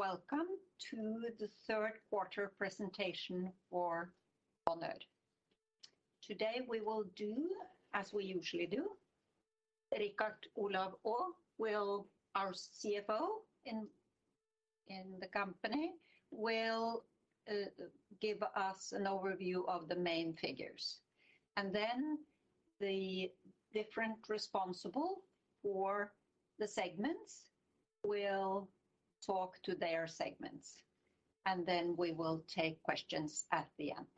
Very welcome to the third quarter presentation for Bonheur. Today we will do as we usually do. Richard Olav Aa, our CFO in the company, will give us an overview of the main figures, and then the different responsible for the segments will talk to their segments, and then we will take questions at the end.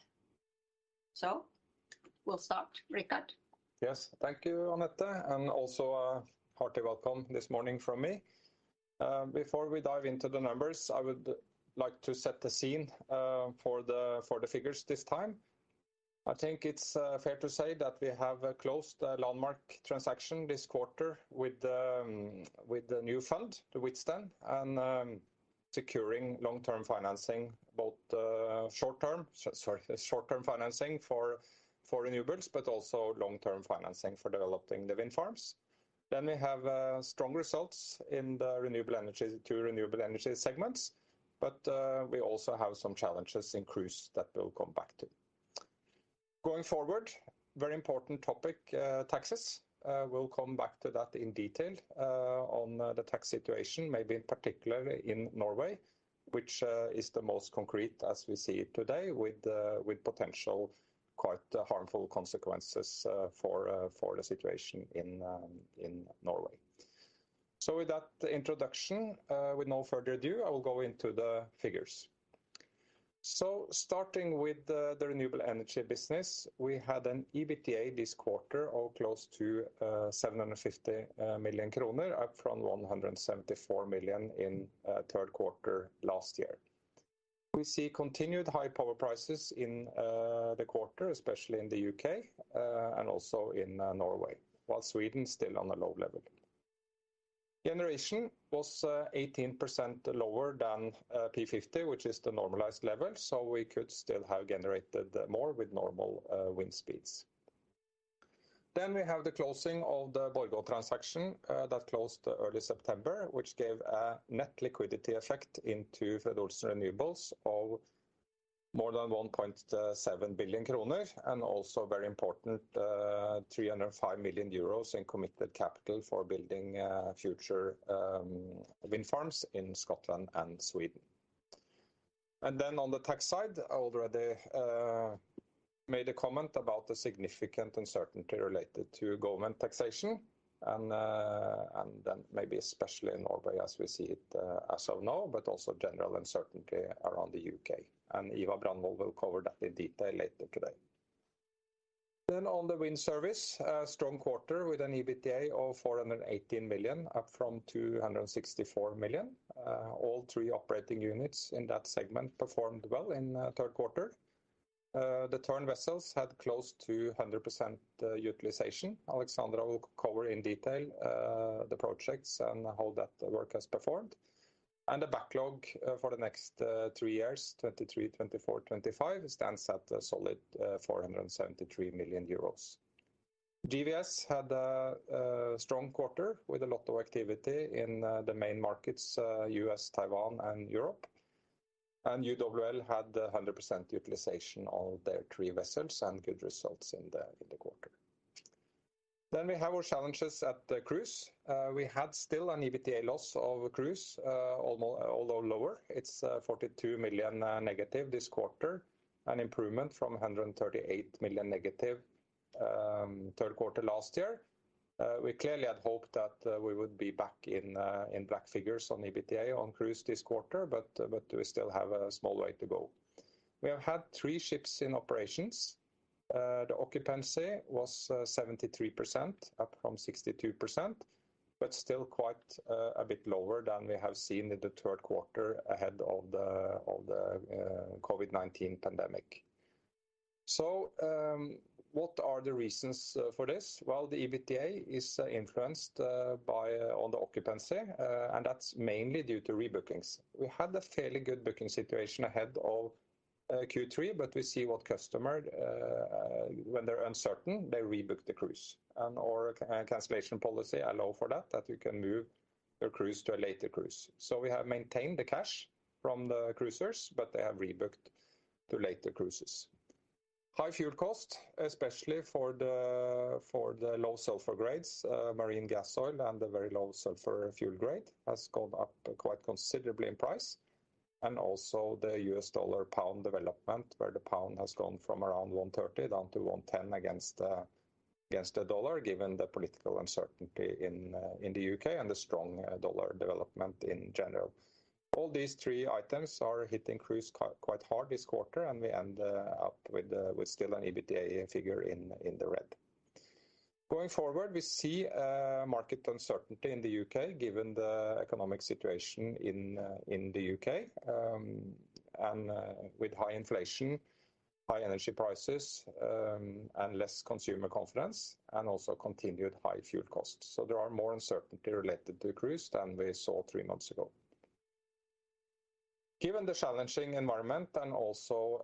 We'll start. Richard. Yes. Thank you Anette, and also a hearty welcome this morning from me. Before we dive into the numbers, I would like to set the scene for the figures this time. I think it's fair to say that we have closed a landmark transaction this quarter with the new fund to Hvitsten and securing long-term financing, both short-term financing for renewables, but also long-term financing for developing the wind farms. We have strong results in the renewable energy, two renewable energy segments. We also have some challenges in Cruise that we'll come back to. Going forward, very important topic, taxes. We'll come back to that in detail on the tax situation, maybe in particular in Norway, which is the most concrete as we see it today with potential quite harmful consequences for the situation in Norway. With that introduction, with no further ado, I will go into the figures. Starting with the renewable energy business. We had an EBITDA this quarter of close to 750 million kroner, up from 174 million in third quarter last year. We see continued high power prices in the quarter, especially in the U.K., and also in Norway, while Sweden is still on a low level. Generation was 18% lower than P50, which is the normalized level, so we could still have generated more with normal wind speeds. We have the closing of the Borgå transaction that closed early September, which gave a net liquidity effect into the renewables of more than 1.7 billion kroner, and also very important, 305 million euros in committed capital for building future wind farms in Scotland and Sweden. On the tax side, I already made a comment about the significant uncertainty related to government taxation and then maybe especially in Norway as we see it as of now, but also general uncertainty around the U.K. Ivar Brandvold will cover that in detail later today. On the wind service, a strong quarter with an EBITDA of 418 million, up from 264 million. All three operating units in that segment performed well in third quarter. The TUG vessels had close to 100% utilization. Alexandra will cover in detail the projects and how that work has performed. The backlog for the next three years, 2023, 2024, 2025, stands at a solid 473 million euros. GWS had a strong quarter with a lot of activity in the main markets, U.S., Taiwan and Europe. UWL had 100% utilization of their three vessels and good results in the quarter. We have our challenges at the Cruise. We had still an EBITDA loss of Cruise, although lower. It's -42 million this quarter, an improvement from -138 million third quarter last year. We clearly had hoped that we would be back in black figures on EBITDA on Cruise this quarter, but we still have a small way to go. We have had three ships in operations. The occupancy was 73%, up from 62%, but still quite a bit lower than we have seen in the third quarter ahead of the COVID-19 pandemic. What are the reasons for this? Well, the EBITDA is influenced by on the occupancy, and that's mainly due to rebookings. We had a fairly good booking situation ahead of Q3, but we see what customers when they're uncertain, they rebook the cruise and/or a cancellation policy allow for that you can move your cruise to a later cruise. We have maintained the cash from the cruisers, but they have rebooked to later cruises. High fuel cost, especially for the low sulfur grades, marine gas oil and the very low sulfur fuel grade has gone up quite considerably in price. The U.S. dollar-pound development, where the pound has gone from around 1.30 down to 1.10 against the dollar, given the political uncertainty in the U.K. and the strong dollar development in general. All these three items are hitting Cruise quite hard this quarter and we end up with still an EBITDA figure in the red. Going forward, we see market uncertainty in the U.K., given the economic situation in the U.K., and with high inflation, high energy prices, and less consumer confidence and also continued high fuel costs. There are more uncertainty related to Cruise than we saw three months ago. Given the challenging environment and also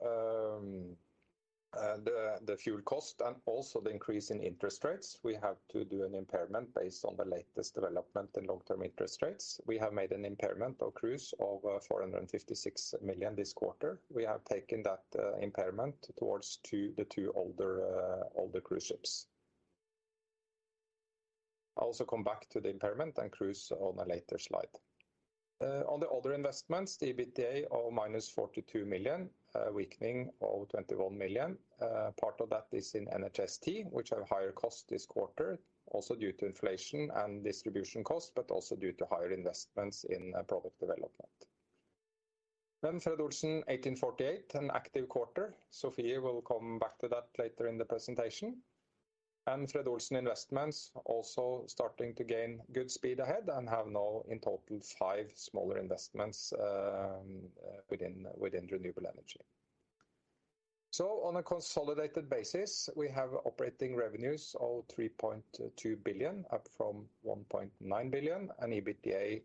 the fuel cost and also the increase in interest rates, we have to do an impairment based on the latest development in long-term interest rates. We have made an impairment of Cruise of 456 million this quarter. We have taken that impairment towards the two older Cruise ships. I'll also come back to the impairment and cruise on a later slide. On the other investments, the EBITDA of -42 million, weakening of 21 million. Part of that is in NHST, which have higher cost this quarter, also due to inflation and distribution costs, but also due to higher investments in product development. Fred. Olsen 1848, an active quarter. Sophie will come back to that later in the presentation. Fred. Olsen Investments also starting to gain good speed ahead and have now in total five smaller investments within renewable energy. On a consolidated basis, we have operating revenues of 3.2 billion, up from 1.9 billion, and EBITDA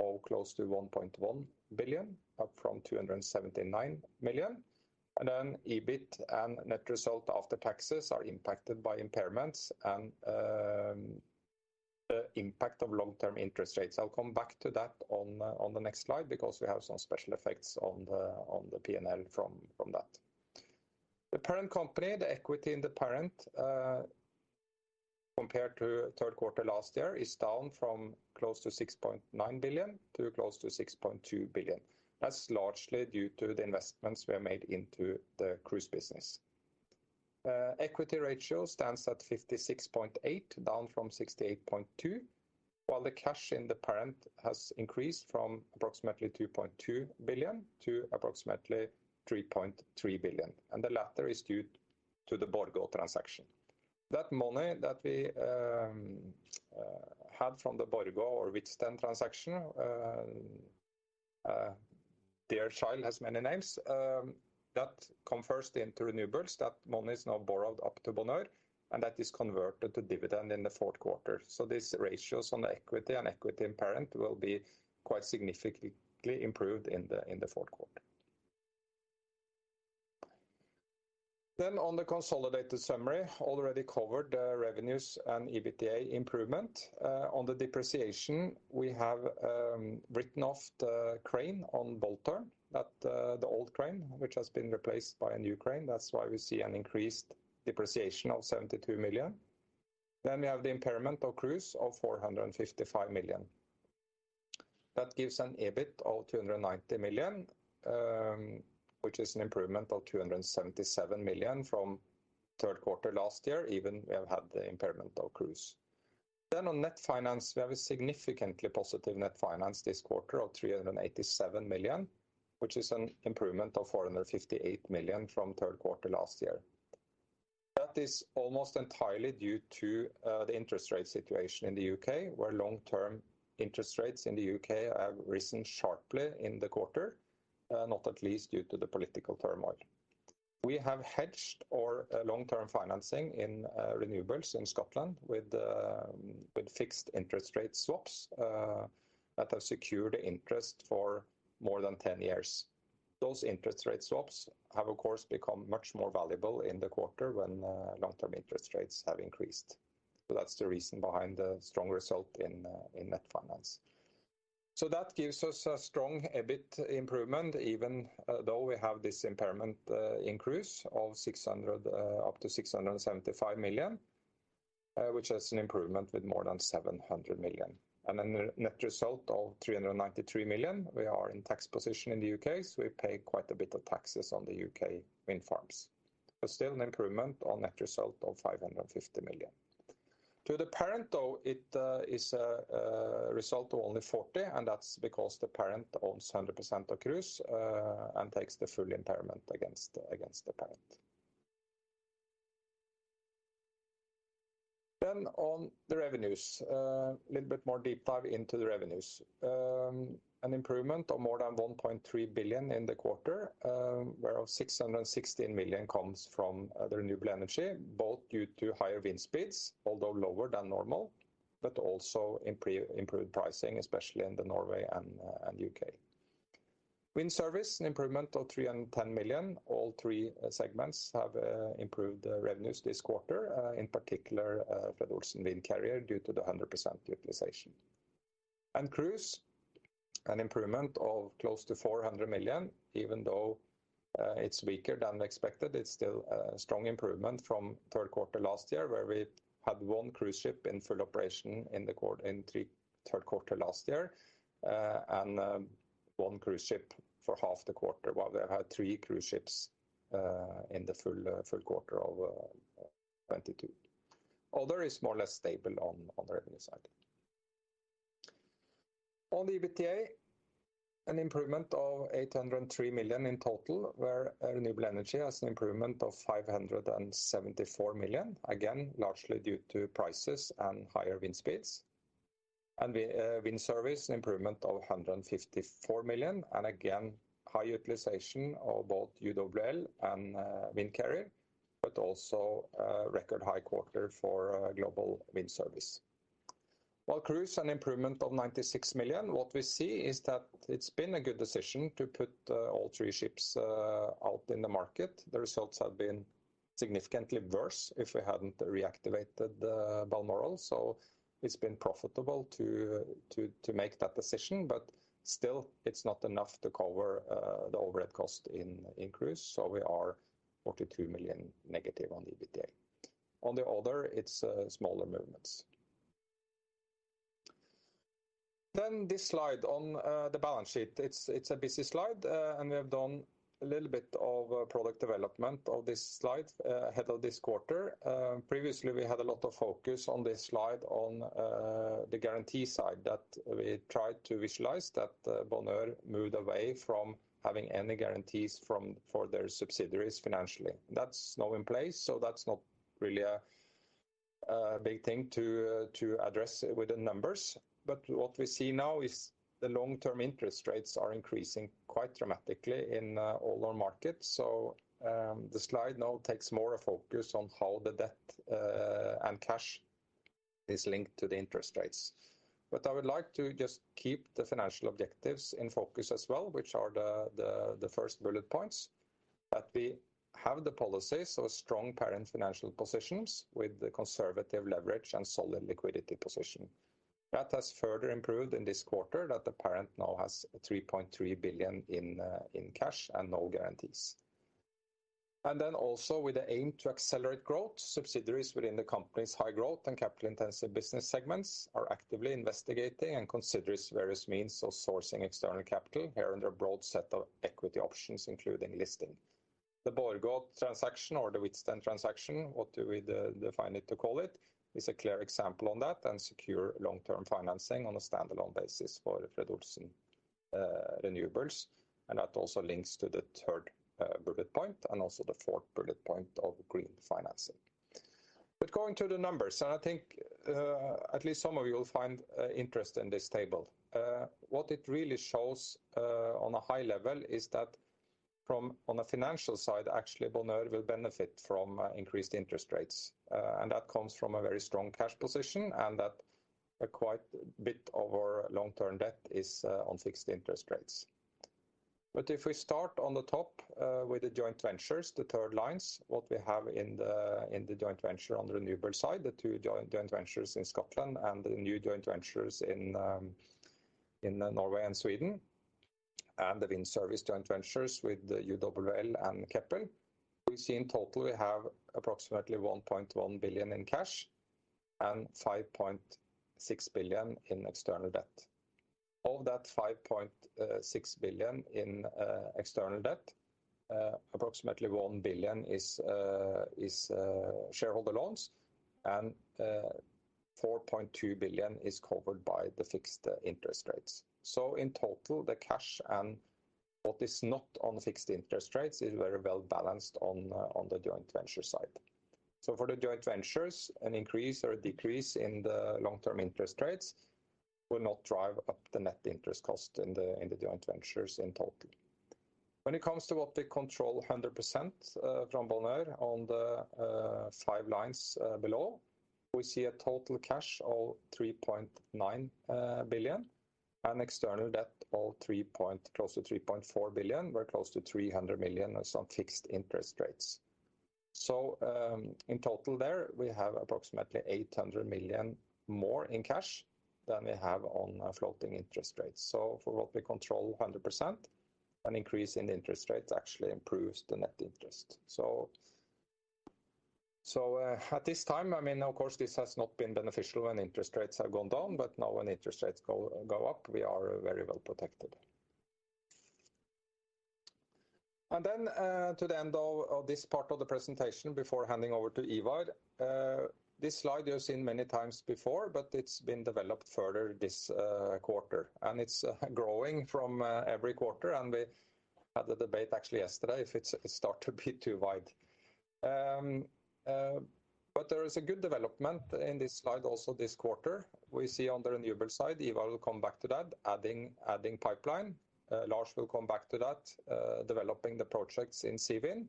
of close to 1.1 billion, up from 279 million. EBIT and net result after taxes are impacted by impairments and impact of long-term interest rates. I'll come back to that on the next slide because we have some special effects on the P&L from that. The parent company, the equity in the parent, compared to third quarter last year, is down from close to 6.9 billion to close to 6.2 billion. That's largely due to the investments we have made into the Cruise business. Equity ratio stands at 56.8%, down from 68.2%, while the cash in the parent has increased from approximately 2.2 billion to approximately 3.3 billion, and the latter is due to the Borgå transaction. That money that we had from the Borgå or Hvitsten transaction, dear child has many names, that converts into renewables. That money is now borrowed up to Bonheur, and that is converted to dividend in the fourth quarter. These ratios on the equity and equity in parent will be quite significantly improved in the fourth quarter. On the consolidated summary, already covered, revenues and EBITDA improvement. On the depreciation, we have written off the crane on Bold Tern. That the old crane, which has been replaced by a new crane. That's why we see an increased depreciation of 72 million. We have the impairment of Cruise of 455 million. That gives an EBIT of 290 million, which is an improvement of 277 million from third quarter last year, even though we have had the impairment of Cruise. On net finance, we have a significantly positive net finance this quarter of 387 million, which is an improvement of 458 million from third quarter last year. That is almost entirely due to the interest rate situation in the U.K., where long-term interest rates in the U.K. have risen sharply in the quarter, not least due to the political turmoil. We have hedged our long-term financing in renewables in Scotland with fixed interest rate swaps that have secured interest for more than 10 years. Those interest rate swaps have of course become much more valuable in the quarter when long-term interest rates have increased. That's the reason behind the strong result in net finance. That gives us a strong EBIT improvement even though we have this impairment increase of 600 million up to 675 million, which is an improvement with more than 700 million. The net result of 393 million, we are in tax position in the U.K., so we pay quite a bit of taxes on the U.K. wind farms. Still an improvement on net result of 550 million. To the parent, though, it is a result of only 40 million, and that's because the parent owns 100% of Cruise and takes the full impairment against the parent. On the revenues, a little bit more deep dive into the revenues. An improvement of more than 1.3 billion in the quarter, whereof 616 million comes from the renewable energy, both due to higher wind speeds, although lower than normal, but also improved pricing, especially in Norway and U.K. Wind service, an improvement of 30 million. All three segments have improved revenues this quarter. In particular, Fred. Olsen Windcarrier due to the 100% utilization. Cruise, an improvement of close to 400 million, even though it's weaker than expected, it's still a strong improvement from third quarter last year, where we had one cruise ship in full operation in the third quarter last year, and one cruise ship for half the quarter, while we had three cruise ships in the full quarter of 2022. Other is more or less stable on the revenue side. On the EBITDA, an improvement of 803 million in total, where renewable energy has an improvement of 574 million, again, largely due to prices and higher wind speeds. We wind service, an improvement of 154 million, and again, high utilization of both UWL and Windcarrier, but also a record high quarter for Global Wind Service. Well, Cruise, an improvement of 96 million. What we see is that it's been a good decision to put all three ships out in the market. The results have been significantly worse if we hadn't reactivated the Balmoral, so it's been profitable to make that decision. But still, it's not enough to cover the overhead cost in Cruise, so we are 42 million negative on EBITDA. On the other, it's smaller movements. This slide on the balance sheet, it's a busy slide. We have done a little bit of product development of this slide ahead of this quarter. Previously we had a lot of focus on this slide on the guarantee side that we tried to visualize that Bonheur moved away from having any guarantees for their subsidiaries financially. That's now in place, so that's not really a big thing to address with the numbers. What we see now is the long-term interest rates are increasing quite dramatically in all our markets. The slide now takes more a focus on how the debt and cash is linked to the interest rates. I would like to just keep the financial objectives in focus as well, which are the first bullet points that we have the policy. A strong parent financial positions with the conservative leverage and solid liquidity position. That has further improved in this quarter that the parent now has 3.3 billion in cash and no guarantees. Then also with the aim to accelerate growth, subsidiaries within the company's high growth and capital-intensive business segments are actively investigating and considers various means of sourcing external capital. Hereunder a broad set of equity options, including listing. The Borgå transaction or the Hvitsten transaction, what do we define it to call it, is a clear example on that and secure long-term financing on a standalone basis for Fred. Olsen Renewables. That also links to the third bullet point and also the fourth bullet point of green financing. Going to the numbers, I think at least some of you will find interest in this table. What it really shows, on a high level, is that, on a financial side, actually, Bonheur will benefit from increased interest rates. That comes from a very strong cash position, and quite a bit of our long-term debt is on fixed interest rates. If we start on the top, with the joint ventures, the three lines, what we have in the joint venture on the renewable side, the two joint ventures in Scotland and the new joint ventures in Norway and Sweden, and the wind service joint ventures with the UWL and Keppel. We see, in total, we have approximately 1.1 billion in cash and 5.6 billion in external debt. Of that 5.6 billion in external debt, approximately 1 billion is shareholder loans, and 4.2 billion is covered by the fixed interest rates. In total, the cash and what is not on fixed interest rates is very well balanced on the joint venture side. For the joint ventures, an increase or a decrease in the long-term interest rates will not drive up the net interest cost in the joint ventures in total. When it comes to what we control 100%, from Bonheur on the five lines below, we see a total cash of 3.9 billion and external debt of close to 3.4 billion. We're close to 300 million on some fixed interest rates. In total there, we have approximately 800 million more in cash than we have on floating interest rates. For what we control 100%, an increase in the interest rates actually improves the net interest. At this time, I mean, of course, this has not been beneficial when interest rates have gone down, but now when interest rates go up, we are very well protected. To the end of this part of the presentation before handing over to Ivar. This slide you've seen many times before, but it's been developed further this quarter, and it's growing from every quarter. We had the debate actually yesterday if it start to be too wide. But there is a good development in this slide also this quarter. We see on the renewable side, Ivar will come back to that, adding pipeline. Lars will come back to that, developing the projects in Seawind.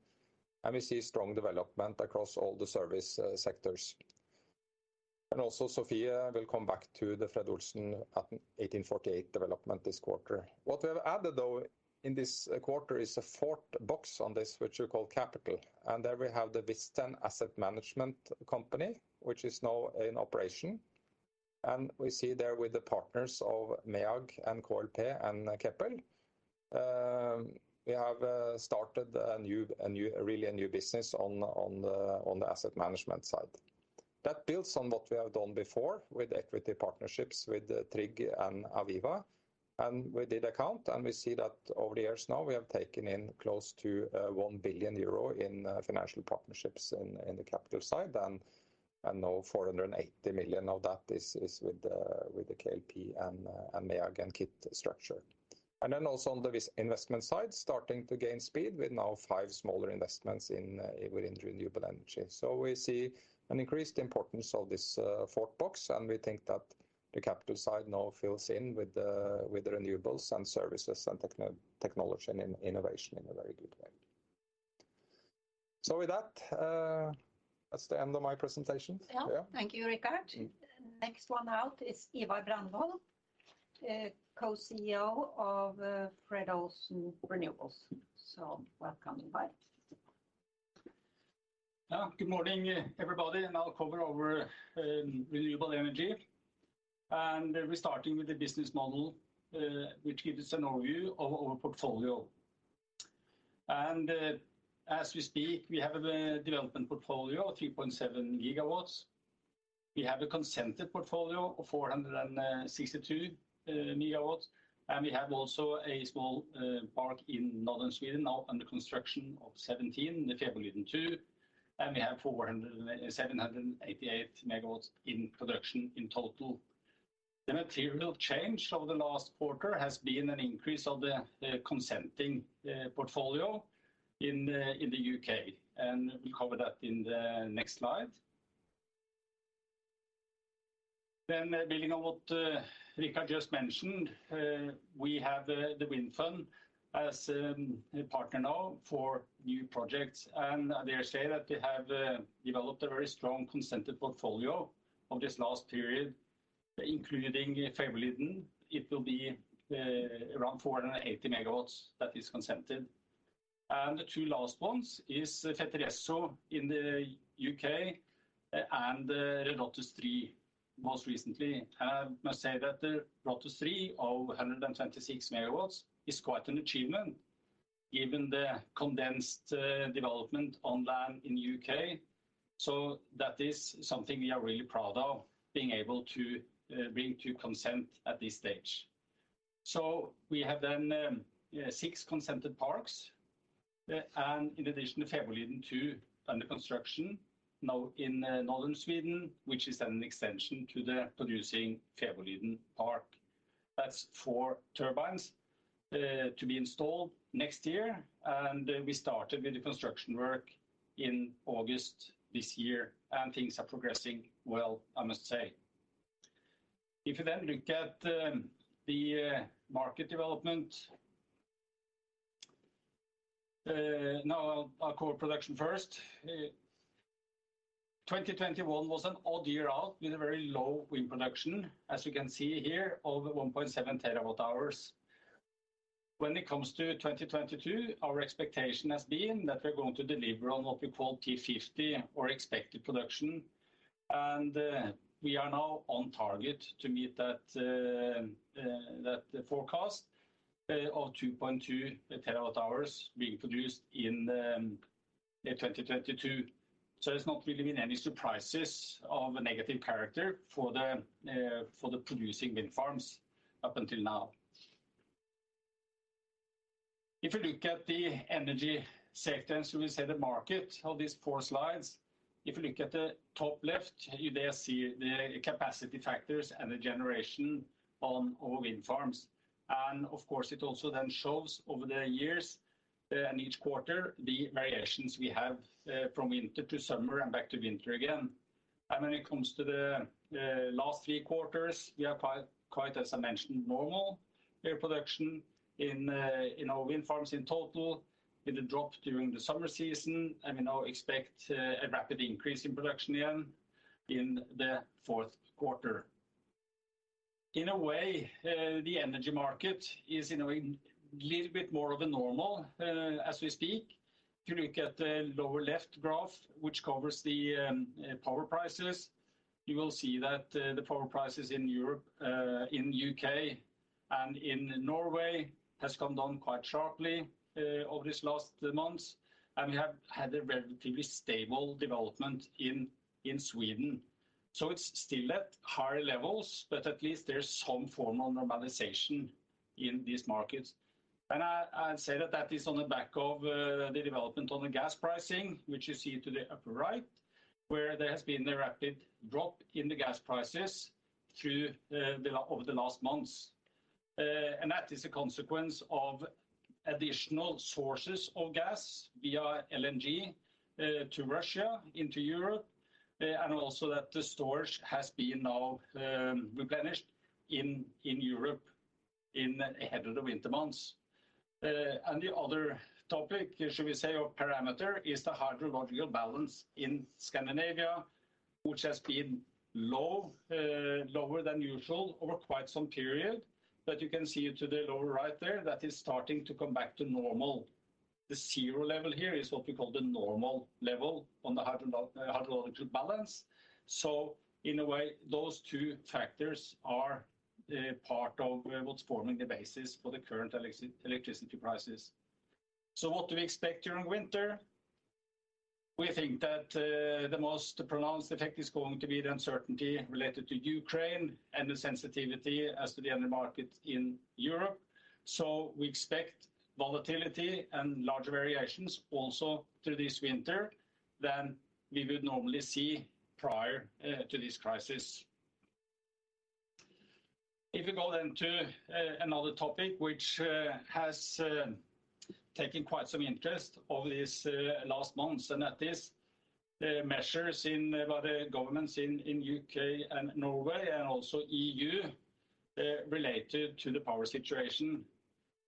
We see strong development across all the service sectors. Sofie will come back to the Fred. Olsen 1848 development this quarter. What we have added though, in this quarter is a fourth box on this, which we call capital. There we have the Hvitsten Asset Management Company, which is now in operation. We see there with the partners of MEAG and KLP and Keppel. We have started a new, really a new business on the asset management side. That builds on what we have done before with equity partnerships with TRIG and Aviva. We did account, and we see that over the years now, we have taken in close to 1 billion euro in financial partnerships in the capital side. Now 480 million of that is with the KLP and MEAG and KIT structure. Then also on the investment side, starting to gain speed with now five smaller investments within renewable energy. We see an increased importance of this fourth box, and we think that the capital side now fills in with the renewables and services and technology and innovation in a very good way. With that's the end of my presentation. Yeah. Yeah. Thank you, Richard. Next one out is Ivar Brandvold, Co-CEO of Fred. Olsen Renewables. Welcome, Ivar. Yeah. Good morning, everybody, and I'll cover over renewable energy, and we're starting with the business model, which gives us an overview of our portfolio. As we speak, we have a development portfolio of 3.7 GW. We have a consented portfolio of 462 MW, and we have also a small park in northern Sweden now under construction of 17, the Fäbodliden II, and we have 478 MW in production in total. The material change over the last quarter has been an increase of the consenting portfolio in the U.K., and we cover that in the next slide. Building on what Richard just mentioned, we have the wind farm as a partner now for new projects. I dare say that we have developed a very strong consented portfolio over this last period, including Fäbodliden. It will be around 480 MW that is consented. The two last ones is Fetteresso in the U.K. and Lotus 3 most recently. I must say that the Lotus 3, of 126 MW, is quite an achievement given the constrained development on land in U.K. That is something we are really proud of, being able to bring to consent at this stage. We have then six consented parks and in addition to Fäbodliden two under construction now in northern Sweden, which is an extension to the producing Fäbodliden park. That's four turbines to be installed next year. We started with the construction work in August this year, and things are progressing well, I must say. If you then look at the market development. Now I'll cover production first. 2021 was an odd year out with a very low wind production, as you can see here, of 1.7 TWh. When it comes to 2022, our expectation has been that we're going to deliver on what we call P50 or expected production, and we are now on target to meet that forecast of 2.2 TWh being produced in 2022. There's not really been any surprises of a negative character for the producing wind farms up until now. If you look at the energy sector, so we see the market on these four slides. If you look at the top left, you there see the capacity factors and the generation on our wind farms. Of course, it also then shows over the years and each quarter, the variations we have from winter to summer and back to winter again. When it comes to the last three quarters, we are quite, as I mentioned, normal year production in our wind farms in total, with a drop during the summer season, and we now expect a rapid increase in production again in the fourth quarter. In a way, the energy market is in a little bit more of a normal, as we speak. If you look at the lower left graph, which covers the power prices, you will see that the power prices in Europe, in U.K., and in Norway has come down quite sharply over these last months. We have had a relatively stable development in Sweden. It's still at higher levels, but at least there's some form of normalization in these markets. I'd say that is on the back of the development on the gas pricing, which you see to the upper right, where there has been a rapid drop in the gas prices over the last months. That is a consequence of additional sources of gas via LNG, not Russia, into Europe, and also that the storage has been now replenished in Europe in advance of the winter months. The other topic, should we say, or parameter, is the hydrological balance in Scandinavia, which has been low, lower than usual over quite some period. You can see to the lower right there, that is starting to come back to normal. The zero level here is what we call the normal level on the hydrological balance. In a way, those two factors are part of what's forming the basis for the current electricity prices. What do we expect during winter? We think that the most pronounced effect is going to be the uncertainty related to Ukraine and the sensitivity as to the energy market in Europe. We expect volatility and large variations also through this winter than we would normally see prior to this crisis. If you go then to another topic which has taken quite some interest over these last months, and that is the measures implemented by the governments in U.K. and Norway, and also EU, related to the power situation.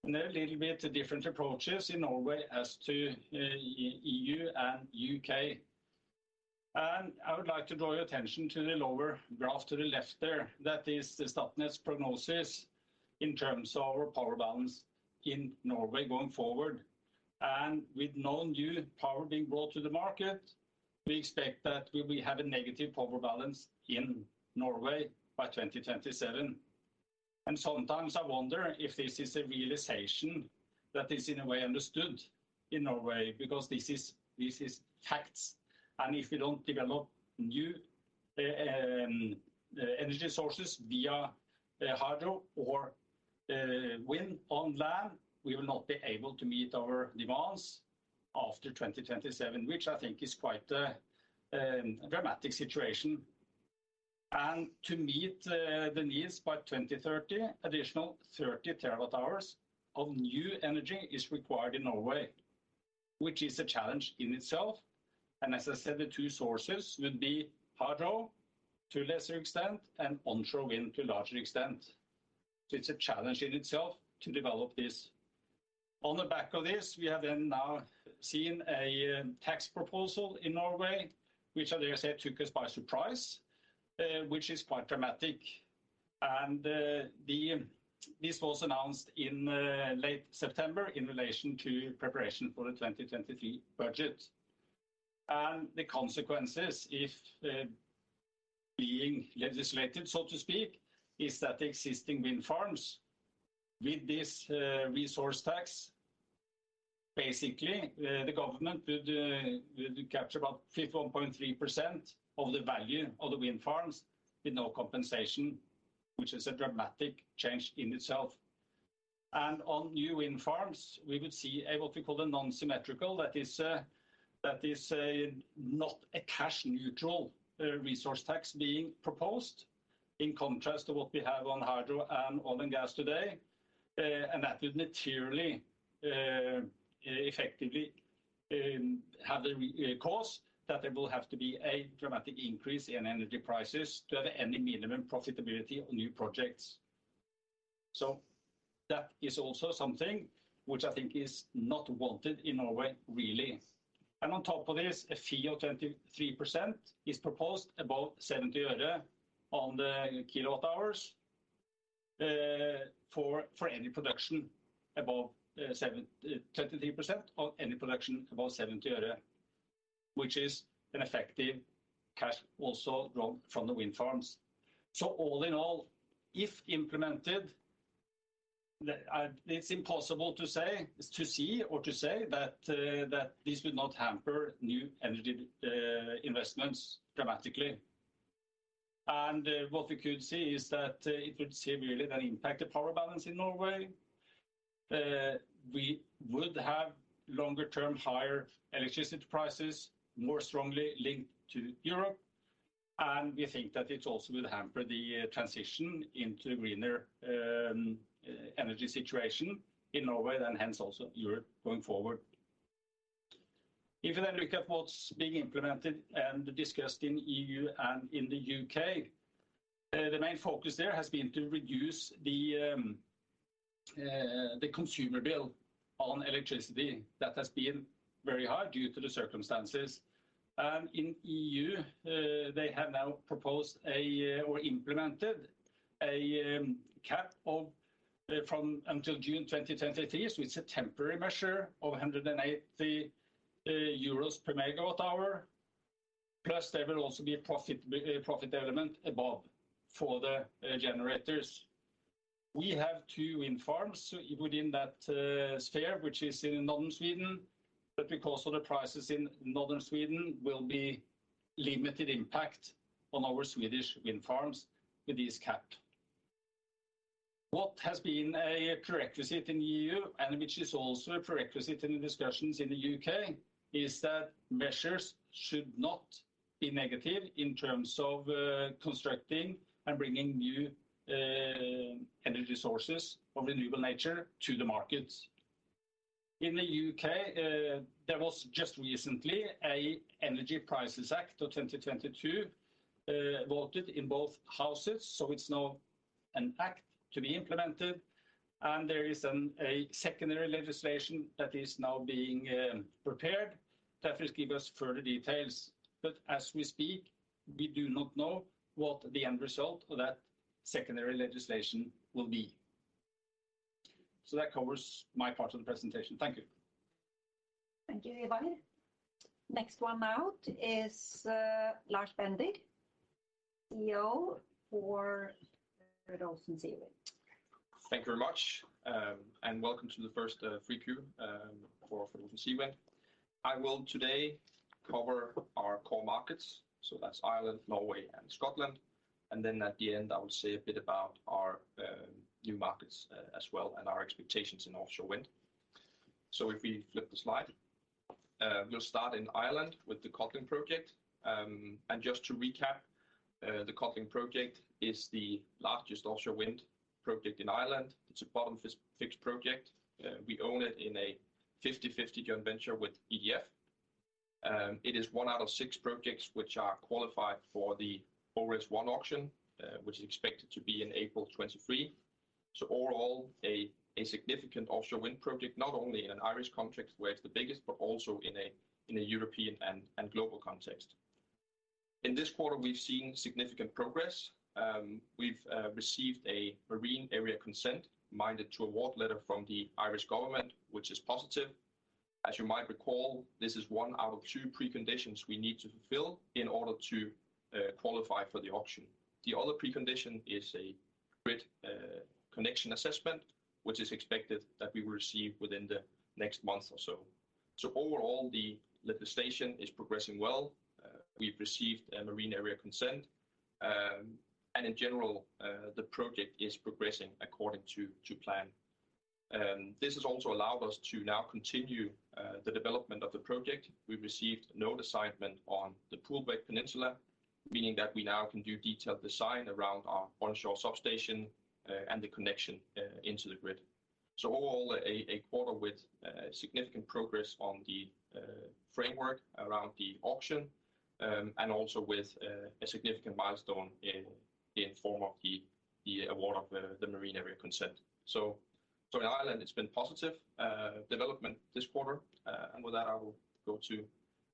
They're a little bit different approaches in Norway as to EU and U.K. I would like to draw your attention to the lower graph to the left there. That is the Statnett's prognosis in terms of our power balance in Norway going forward. With no new power being brought to the market, we expect that we will have a negative power balance in Norway by 2027. Sometimes I wonder if this is a realization that is in a way understood in Norway, because this is facts, and if we don't develop new energy sources via hydro or wind on land, we will not be able to meet our demands after 2027, which I think is quite a dramatic situation. To meet the needs by 2030, additional 30 TWh of new energy is required in Norway, which is a challenge in itself. As I said, the two sources would be hydro to a lesser extent and onshore wind to a larger extent. It's a challenge in itself to develop this. On the back of this, we have then now seen a tax proposal in Norway, which I dare say took us by surprise, which is quite dramatic. This was announced in late September in relation to preparation for the 2023 budget. The consequences, if being legislated, so to speak, is that existing wind farms with this resource tax, basically, the government would capture about 51.3% of the value of the wind farms with no compensation, which is a dramatic change in itself. On new wind farms, we would see a what we call a non-symmetrical, that is, not a cash neutral resource tax being proposed, in contrast to what we have on hydro and oil and gas today. That would materially effectively have the result that there will have to be a dramatic increase in energy prices to have any minimum profitability on new projects. That is also something which I think is not wanted in Norway, really. On top of this, a fee of 23% is proposed above NOK 0.70 per kilowatt hour for any production above NOK 0.70, which is an effective tax also drawn from the wind farms. All in all, if implemented, it's impossible to see or say that this would not hamper new energy investments dramatically. What we could see is that it would severely then impact the power balance in Norway. We would have longer term higher electricity prices more strongly linked to Europe. We think that it also would hamper the transition into a greener energy situation in Norway, and hence also Europe going forward. If you look at what's being implemented and discussed in EU and in the U.K., the main focus there has been to reduce the consumer bill on electricity that has been very high due to the circumstances. In EU, they have now proposed a or implemented a cap of from until June 2023, so it's a temporary measure of 180 euros per megawatt hour. Plus, there will also be a profit element above for the generators. We have two wind farms within that sphere, which is in northern Sweden. But because of the prices in northern Sweden will be limited impact on our Swedish wind farms with this cap. What has been a prerequisite in EU, and which is also a prerequisite in the discussions in the U.K., is that measures should not be negative in terms of constructing and bringing new energy sources of renewable nature to the markets. In the U.K., there was just recently an Energy Prices Act of 2022, voted in both houses, so it's now an act to be implemented. There is a secondary legislation that is now being prepared that will give us further details. As we speak, we do not know what the end result of that secondary legislation will be. That covers my part of the presentation. Thank you. Thank you, Ivar. Next one out is Lars Bender, CEO for Fred. Olsen Seawind. Thank you very much, and welcome to the first Q3 for Seawind. I will today cover our core markets. That's Ireland, Norway and Scotland. At the end, I will say a bit about our new markets as well, and our expectations in offshore wind. If we flip the slide. We'll start in Ireland with the Codling Project. Just to recap, the Codling project is the largest offshore wind project in Ireland. It's a bottom-fixed project. We own it in a 50/50 joint venture with EDF. It is one out of six projects which are qualified for the ORESS 1 auction, which is expected to be in April 2023. Overall, a significant offshore wind project, not only in an Irish context, where it's the biggest, but also in a European and global context. In this quarter, we've seen significant progress. We've received a marine area consent minded to award letter from the Irish government, which is positive. As you might recall, this is one out of two preconditions we need to fulfill in order to qualify for the auction. The other precondition is a grid connection assessment, which is expected that we will receive within the next month or so. Overall, the legislation is progressing well. We've received a marine area consent. In general, the project is progressing according to plan. This has also allowed us to now continue the development of the project. We've received node assignment on the Poolbeg Peninsula, meaning that we now can do detailed design around our onshore substation, and the connection into the grid. All in all, a quarter with significant progress on the framework around the auction, and also with a significant milestone in form of the award of the Maritime Area Consent. In Ireland, it's been positive development this quarter. With that, I will go to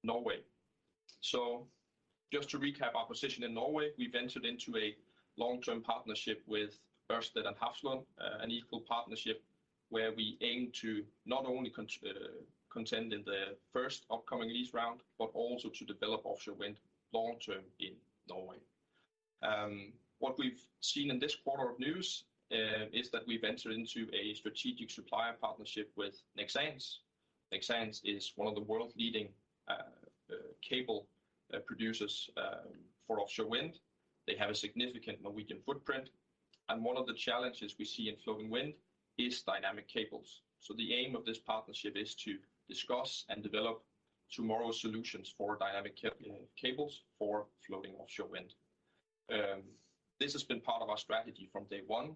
Norway. Just to recap our position in Norway, we've entered into a long-term partnership with Ørsted and Hafslund, an equal partnership where we aim to not only contend in the first upcoming lease round, but also to develop offshore wind long-term in Norway. What we've seen in this quarter's news is that we've entered into a strategic supplier partnership with Nexans. Nexans is one of the world's leading cable producers for offshore wind. They have a significant Norwegian footprint, and one of the challenges we see in floating wind is dynamic cables. So the aim of this partnership is to discuss and develop tomorrow's solutions for dynamic cables for floating offshore wind. This has been part of our strategy from day one.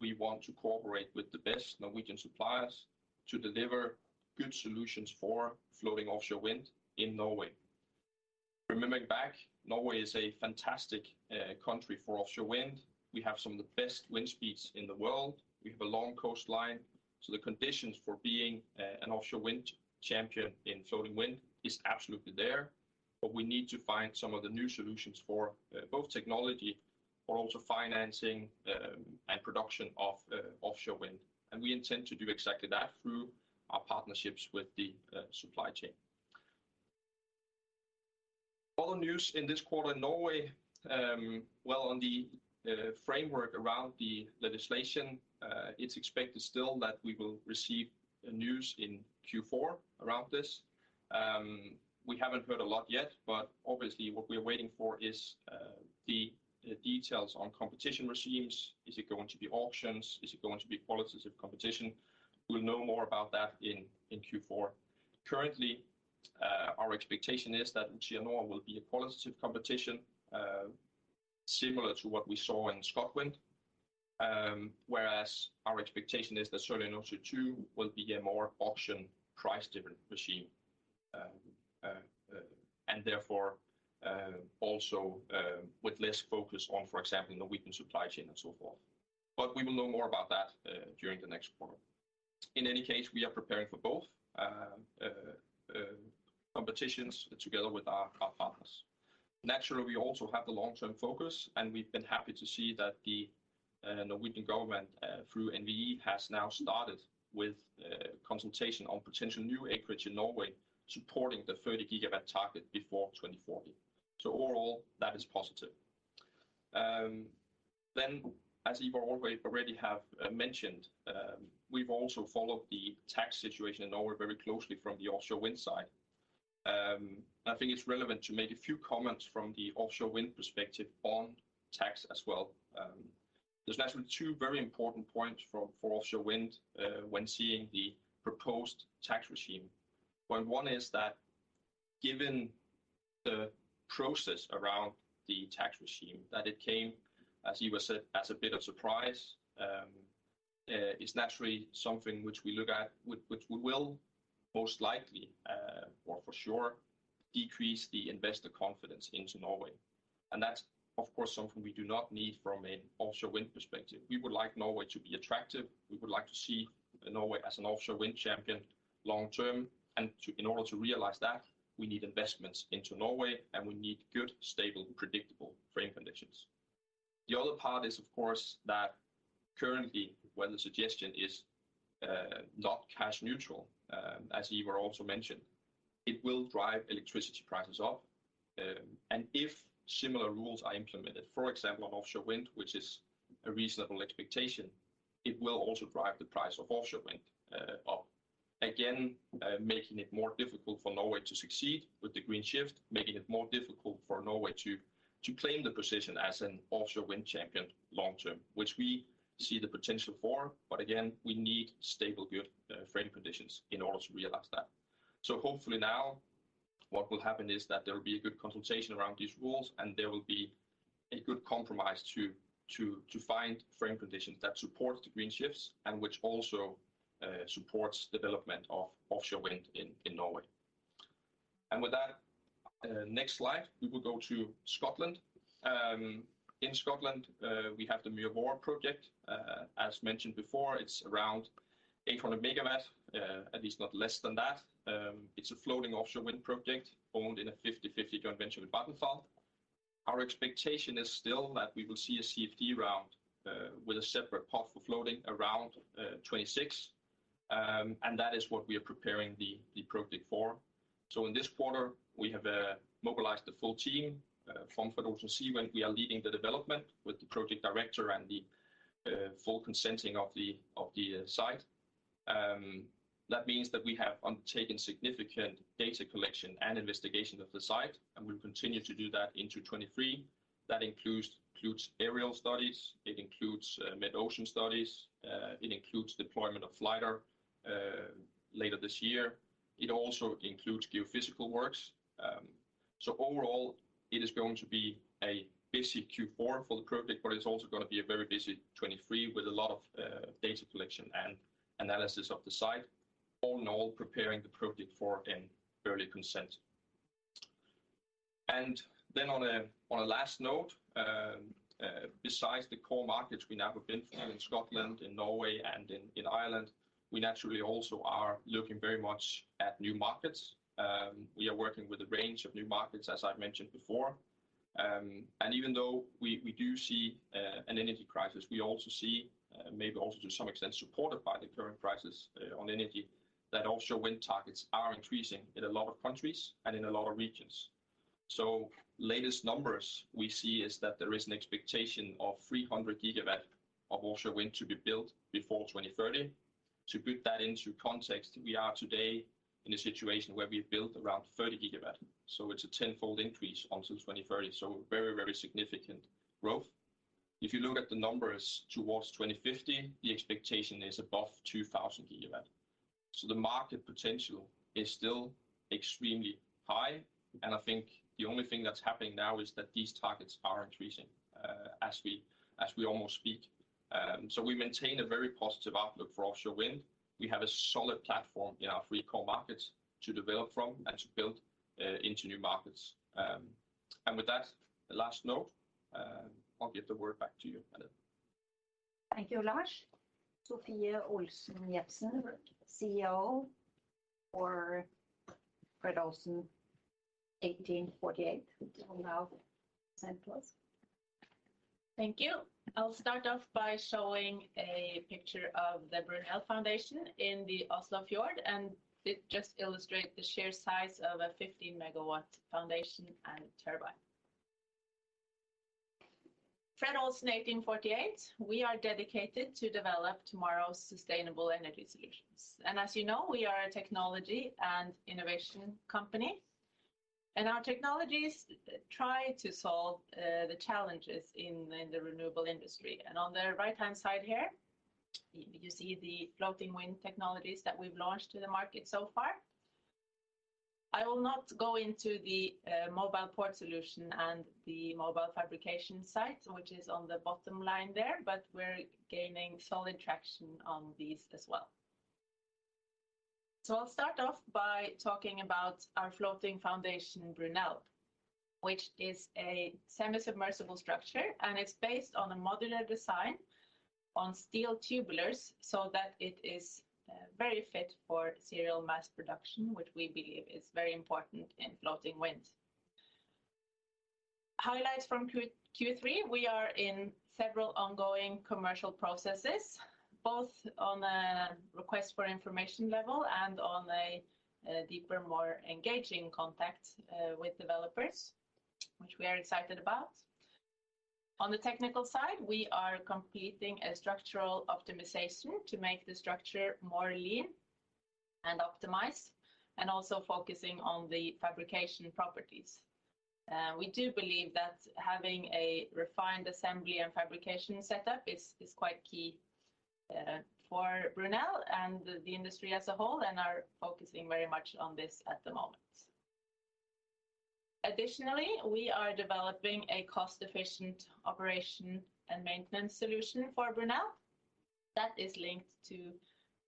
We want to cooperate with the best Norwegian suppliers to deliver good solutions for floating offshore wind in Norway. Remembering back, Norway is a fantastic country for offshore wind. We have some of the best wind speeds in the world. We have a long coastline, so the conditions for being an offshore wind champion in floating wind is absolutely there. We need to find some of the new solutions for both technology, but also financing, and production of offshore wind. We intend to do exactly that through our partnerships with the supply chain. Other news in this quarter in Norway, well, on the framework around the legislation, it's expected still that we will receive news in Q4 around this. We haven't heard a lot yet, but obviously what we are waiting for is the details on competition regimes. Is it going to be auctions? Is it going to be qualitative competition? We'll know more about that in Q4. Currently, our expectation is that Utsira Nord will be a qualitative competition, similar to what we saw in ScotWind. Whereas our expectation is that Sørlige Nordsjø II will be a more auction price determination mechanism. Also, with less focus on, for example, Norwegian supply chain and so forth. We will know more about that during the next quarter. In any case, we are preparing for both competitions together with our partners. Naturally, we also have the long-term focus, and we've been happy to see that the Norwegian government through NVE has now started with consultation on potential new acreage in Norway, supporting the 30 GW target before 2040. Overall, that is positive. As Ivar already have mentioned, we've also followed the tax situation in Norway very closely from the offshore wind side. I think it's relevant to make a few comments from the offshore wind perspective on tax as well. There's naturally two very important points for offshore wind when seeing the proposed tax regime. One is that given the process around the tax regime, that it came, as Ivar said, as a bit of surprise, it's naturally something which we look at, which we will most likely, or for sure, decrease the investor confidence into Norway. That's, of course, something we do not need from an offshore wind perspective. We would like Norway to be attractive. We would like to see Norway as an offshore wind champion long-term. In order to realize that, we need investments into Norway, and we need good, stable, predictable frame conditions. The other part is, of course, that currently, when the suggestion is, not cash neutral, as Ivar also mentioned, it will drive electricity prices up. If similar rules are implemented, for example, on offshore wind, which is a reasonable expectation, it will also drive the price of offshore wind up. Again, making it more difficult for Norway to succeed with the green shift, making it more difficult for Norway to claim the position as an offshore wind champion long-term, which we see the potential for. Again, we need stable, good frame conditions in order to realize that. Hopefully now what will happen is that there will be a good consultation around these rules, and there will be a good compromise to find frame conditions that support the green shifts and which also supports development of offshore wind in Norway. With that, next slide, we will go to Scotland. In Scotland, we have the Muir Mhòr project. As mentioned before, it's around 800 MW, at least not less than that. It's a floating offshore wind project owned in a 50/50 joint venture with Vattenfall. Our expectation is still that we will see a CfD round, with a separate path for floating around 2026. That is what we are preparing the project for. In this quarter, we have mobilized the full team from Fred. Olsen Seawind where we are leading the development with the project director and the full consenting of the site. That means that we have undertaken significant data collection and investigation of the site, and we'll continue to do that into 2023. That includes aerial studies, metocean studies, deployment of LiDAR later this year. It also includes geophysical works. Overall, it is going to be a busy Q4 for the project, but it's also gonna be a very busy 2023 with a lot of data collection and analysis of the site, all in all preparing the project for an early consent. On a last note, besides the core markets we now have been in Scotland, in Norway, and in Ireland, we naturally also are looking very much at new markets. We are working with a range of new markets, as I've mentioned before. Even though we do see an energy crisis, we also see maybe also to some extent supported by the current crisis on energy, that offshore wind targets are increasing in a lot of countries and in a lot of regions. Latest numbers we see is that there is an expectation of 300 GW of offshore wind to be built before 2030. To put that into context, we are today in a situation where we've built around 30 GW, so it's a tenfold increase until 2030, so very, very significant growth. If you look at the numbers towards 2050, the expectation is above 2,000 GW. The market potential is still extremely high, and I think the only thing that's happening now is that these targets are increasing, as we almost speak. We maintain a very positive outlook for offshore wind. We have a solid platform in our three core markets to develop from and to build into new markets. With that last note, I'll give the word back to you, Anette. Thank you, Lars. Sofie Olsen-Jepsen, CEO for Fred. Olsen 1848 will now present to us. Thank you. I'll start off by showing a picture of the Brunel foundation in the Oslo Fjord, and it just illustrate the sheer size of a 15-MW foundation and turbine. Fred. Olsen 1848, we are dedicated to develop tomorrow's sustainable energy solutions. As you know, we are a technology and innovation company, and our technologies try to solve the challenges in the renewable industry. On the right-hand side here, you see the floating wind technologies that we've launched to the market so far. I will not go into the mobile port solution and the mobile fabrication site, which is on the bottom line there, but we're gaining solid traction on these as well. I'll start off by talking about our floating foundation, Brunel, which is a semi-submersible structure, and it's based on a modular design on steel tubulars so that it is very fit for serial mass production, which we believe is very important in floating wind. Highlights from Q3. We are in several ongoing commercial processes, both on a request for information level and on a deeper, more engaging contact with developers, which we are excited about. On the technical side, we are completing a structural optimization to make the structure more lean and optimized, and also focusing on the fabrication properties. We do believe that having a refined assembly and fabrication setup is quite key for Brunel and the industry as a whole, and are focusing very much on this at the moment. Additionally, we are developing a cost-efficient operation and maintenance solution for Brunel that is linked to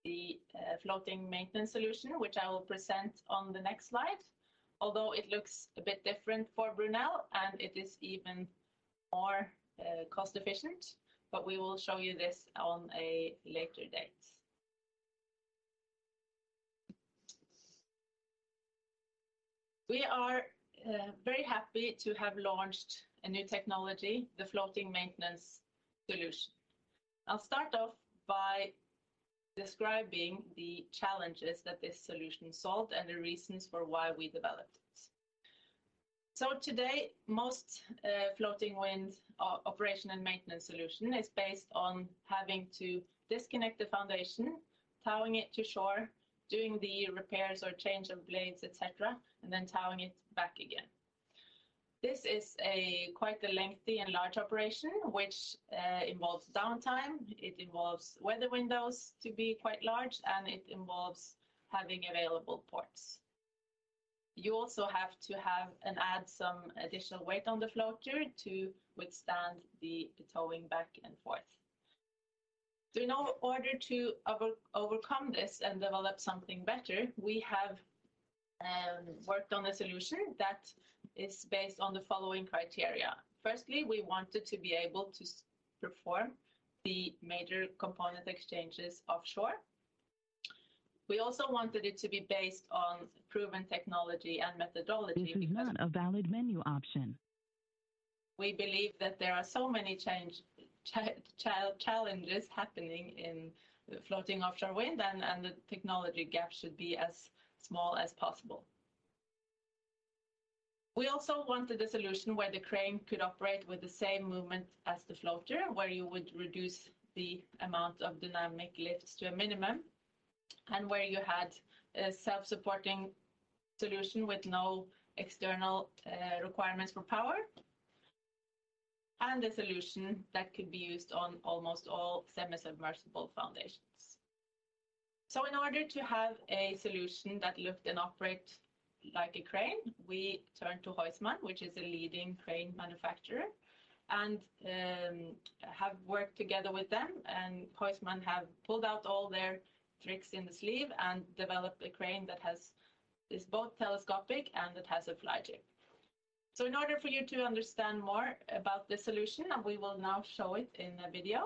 the floating maintenance solution, which I will present on the next slide. Although it looks a bit different for Brunel, and it is even more cost efficient, but we will show you this on a later date. We are very happy to have launched a new technology, the floating maintenance solution. I'll start off by describing the challenges that this solution solved and the reasons for why we developed it. Today, most floating wind operation and maintenance solution is based on having to disconnect the foundation, towing it to shore, doing the repairs or change of blades, et cetera, and then towing it back again. This is quite a lengthy and large operation which involves downtime. It involves weather windows to be quite large, and it involves having available ports. You also have to have and add some additional weight on the floater to withstand the towing back and forth. In order to overcome this and develop something better, we have worked on a solution that is based on the following criteria. Firstly, we wanted to be able to perform the major component exchanges offshore. We also wanted it to be based on proven technology and methodology. We believe that there are so many challenges happening in floating offshore wind and the technology gap should be as small as possible. We also wanted a solution where the crane could operate with the same movement as the floater, where you would reduce the amount of dynamic lifts to a minimum, and where you had a self-supporting solution with no external requirements for power. A solution that could be used on almost all semi-submersible foundations. In order to have a solution that looked and operate like a crane, we turned to Huisman, which is a leading crane manufacturer, and have worked together with them. Huisman have pulled out all their tricks up their sleeve and developed a crane that is both telescopic and it has a fly jib. In order for you to understand more about the solution, we will now show it in a video.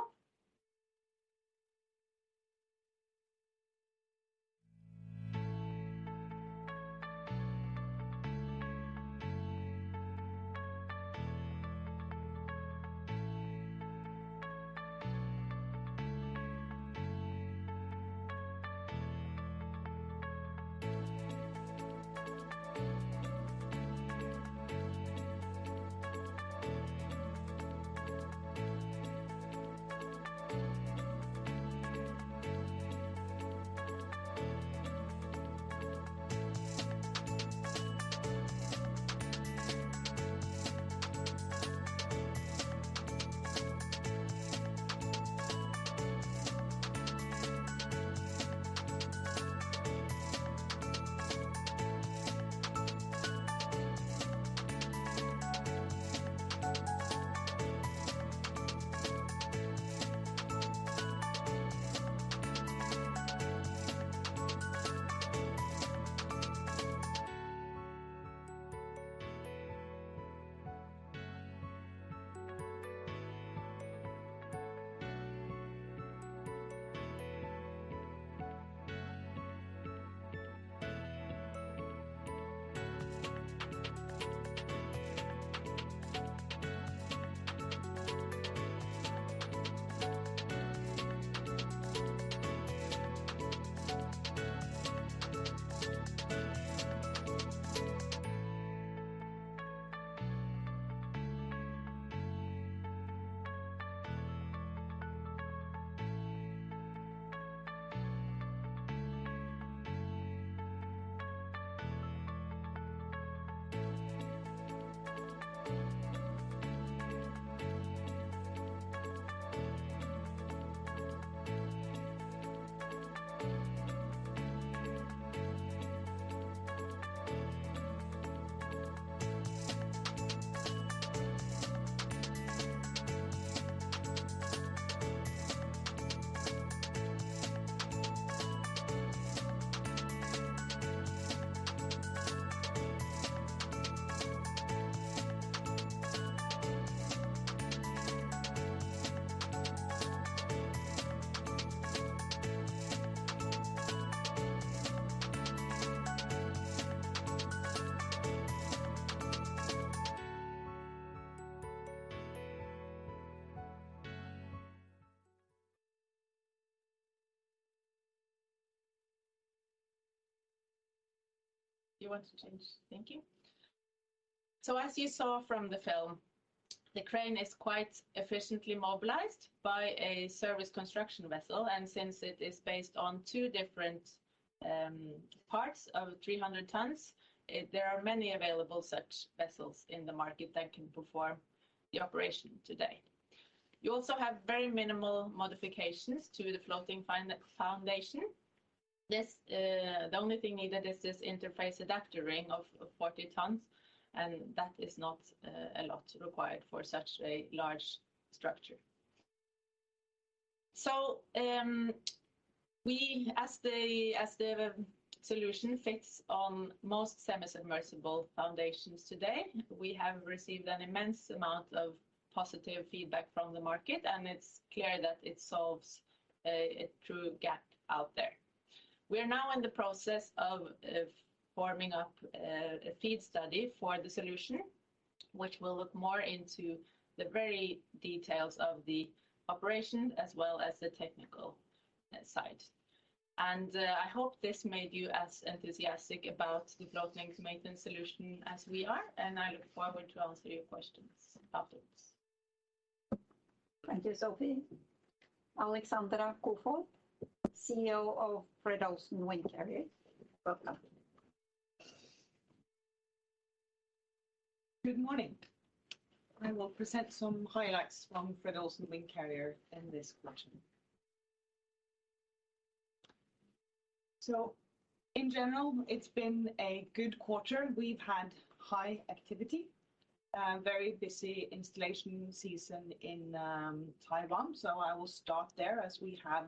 You want to change thinking? As you saw from the film, the crane is quite efficiently mobilized by a service construction vessel, and since it is based on two different parts of 300 tons, there are many available such vessels in the market that can perform the operation today. You also have very minimal modifications to the floating foundation. This, the only thing needed is this interface adapter ring of 40 tons, and that is not a lot required for such a large structure. As the solution fits on most semi-submersible foundations today, we have received an immense amount of positive feedback from the market, and it's clear that it solves a true gap out there. We are now in the process of forming up a FEED study for the solution, which will look more into the very details of the operation as well as the technical side. I hope this made you as enthusiastic about the floating maintenance solution as we are, and I look forward to answer your questions afterwards. Thank you, Sofie. Alexandra Koefoed, CEO of Fred. Olsen Windcarrier. Welcome. Good morning. I will present some highlights from Fred. Olsen Windcarrier in this quarter. In general, it's been a good quarter. We've had high activity, very busy installation season in Taiwan, so I will start there as we have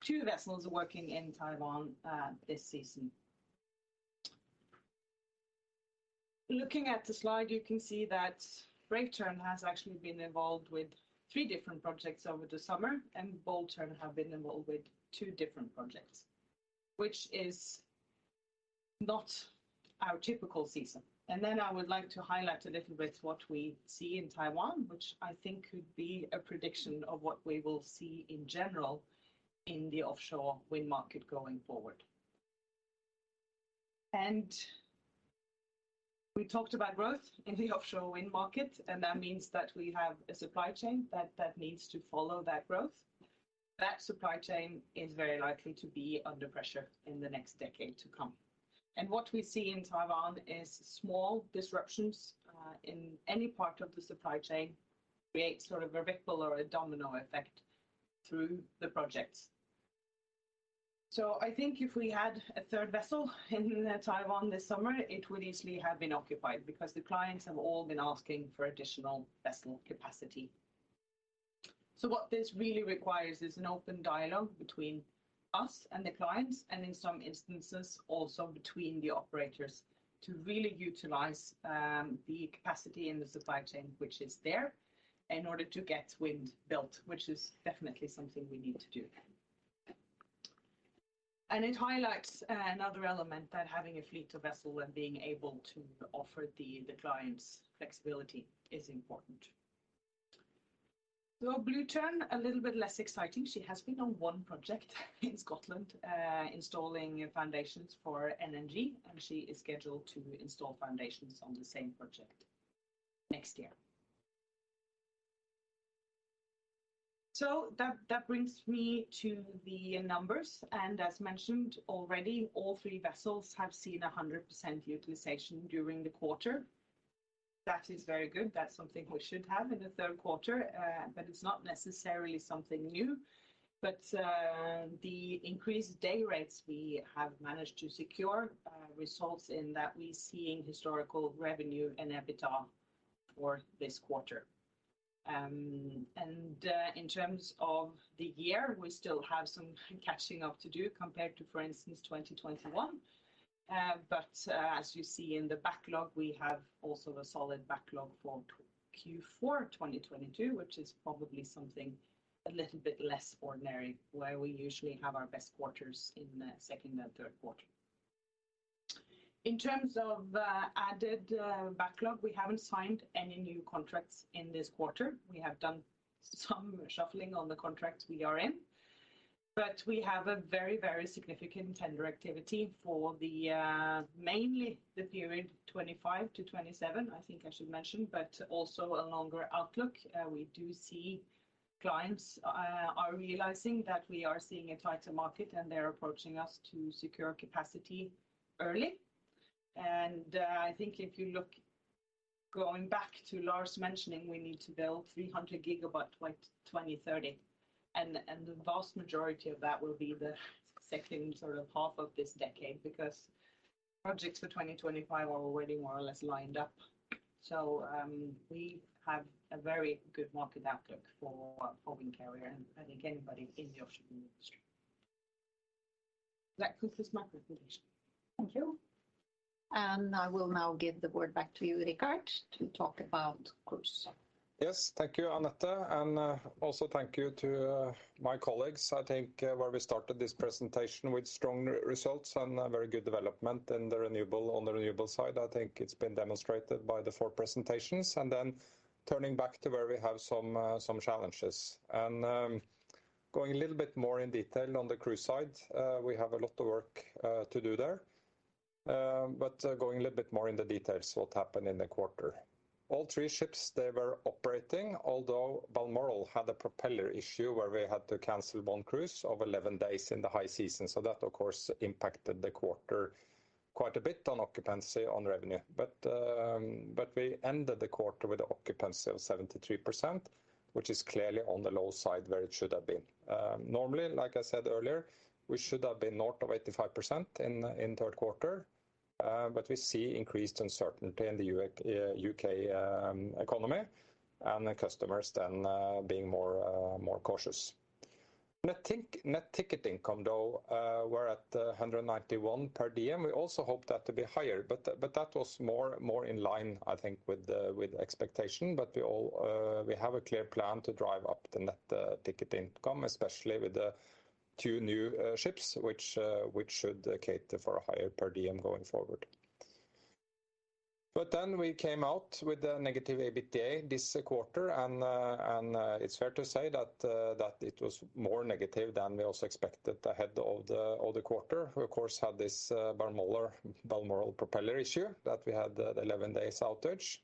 two vessels working in Taiwan, this season. Looking at the slide, you can see that Brave Tern has actually been involved with three different projects over the summer, and Bold Tern have been involved with two different projects, which is not our typical season. I would like to highlight a little bit what we see in Taiwan, which I think could be a prediction of what we will see in general in the offshore wind market going forward. We talked about growth in the offshore wind market, and that means that we have a supply chain that needs to follow that growth. That supply chain is very likely to be under pressure in the next decade to come. What we see in Taiwan is small disruptions in any part of the supply chain creates sort of a ripple or a domino effect through the projects. I think if we had a third vessel in Taiwan this summer, it would easily have been occupied because the clients have all been asking for additional vessel capacity. What this really requires is an open dialogue between us and the clients, and in some instances also between the operators to really utilize the capacity in the supply chain which is there in order to get wind built, which is definitely something we need to do. It highlights another element that having a fleet of vessel and being able to offer the clients flexibility is important. Blue Tern, a little bit less exciting. She has been on one project in Scotland, installing foundations for NnG, and she is scheduled to install foundations on the same project next year. That brings me to the numbers. As mentioned already, all three vessels have seen 100% utilization during the quarter. That is very good. That's something we should have in the third quarter, but it's not necessarily something new. The increased day rates we have managed to secure results in that we're seeing historical revenue and EBITDA for this quarter. In terms of the year, we still have some catching up to do compared to, for instance, 2021. As you see in the backlog, we have also a solid backlog for Q4 2022, which is probably something a little bit less ordinary, where we usually have our best quarters in the second and third quarter. In terms of added backlog, we haven't signed any new contracts in this quarter. We have done some shuffling on the contracts we are in. We have a very, very significant tender activity for the mainly the period 2025-2027, I think I should mention, but also a longer outlook. We do see clients are realizing that we are seeing a tighter market and they're approaching us to secure capacity early. I think if you look, going back to Lars mentioning we need to build 300 GW by 2030 and the vast majority of that will be the second sort of half of this decade because projects for 2025 are already more or less lined up. We have a very good market outlook for our Windcarrier and I think anybody in the offshore wind industry. That concludes my presentation. Thank you. I will now give the word back to you, Richard, to talk about cruise. Yes. Thank you, Anette, and also thank you to my colleagues. I think where we started this presentation with strong results and a very good development in the renewable on the renewable side. I think it's been demonstrated by the four presentations. Then turning back to where we have some challenges. Going a little bit more in detail on the cruise side, we have a lot of work to do there. Going a little bit more in the details what happened in the quarter. All three ships, they were operating, although Balmoral had a propeller issue where we had to cancel one cruise of 11 days in the high season. That, of course, impacted the quarter quite a bit on occupancy, on revenue. We ended the quarter with an occupancy of 73%, which is clearly on the low side where it should have been. Normally, like I said earlier, we should have been north of 85% in third quarter, but we see increased uncertainty in the U.K. economy and the customers then being more cautious. Net ticketing income though, we're at 191 per diem. We also hope that to be higher, but that was more in line, I think, with expectation. We have a clear plan to drive up the net ticket income, especially with the two new ships which should cater for a higher per diem going forward. We came out with a negative EBITDA this quarter and, it's fair to say that, it was more negative than we also expected ahead of the quarter. We, of course, had this Balmoral propeller issue that we had the 11-day outage.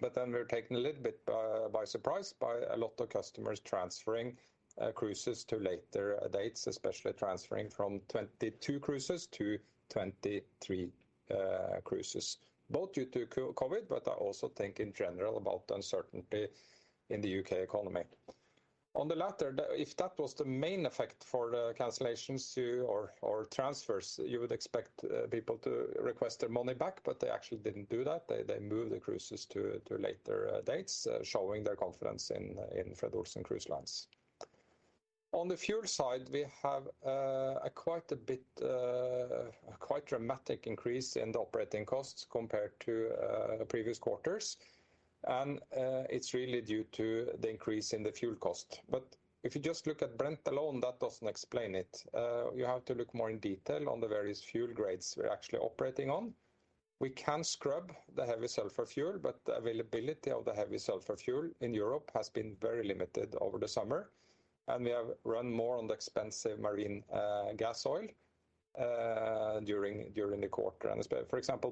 We were taken a little bit by surprise by a lot of customers transferring cruises to later dates, especially transferring from 2022 cruises to 2023 cruises, both due to COVID, but I also think in general about uncertainty in the U.K. economy. On the latter, if that was the main effect for the cancellations to or transfers, you would expect people to request their money back, but they actually didn't do that. They moved the cruises to later dates, showing their confidence in Fred. Olsen Cruise Lines. On the fuel side, we have a quite dramatic increase in the operating costs compared to previous quarters. It's really due to the increase in the fuel cost. But if you just look at Brent alone, that doesn't explain it. You have to look more in detail on the various fuel grades we're actually operating on. We can scrub the heavy sulfur fuel, but the availability of the heavy sulfur fuel in Europe has been very limited over the summer, and we have run more on the expensive marine gas oil during the quarter. For example,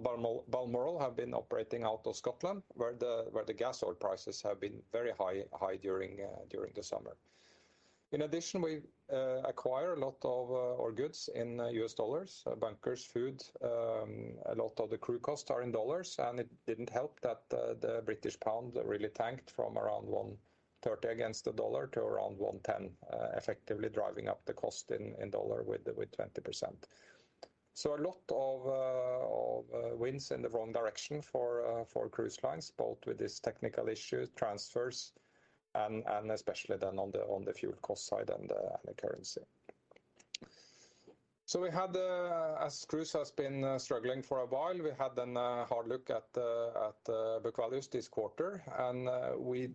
Balmoral have been operating out of Scotland, where the gas oil prices have been very high during the summer. In addition, we acquire a lot of our goods in U.S. dollars, bunkers, food, a lot of the crew costs are in dollars, and it didn't help that the British pound really tanked from around 1.30 against the dollar to around 1.10, effectively driving up the cost in dollar with 20%. A lot of winds in the wrong direction for cruise lines, both with this technical issue, transfers and especially then on the fuel cost side and the currency. As cruise has been struggling for a while, we had a hard look at the book values this quarter, and we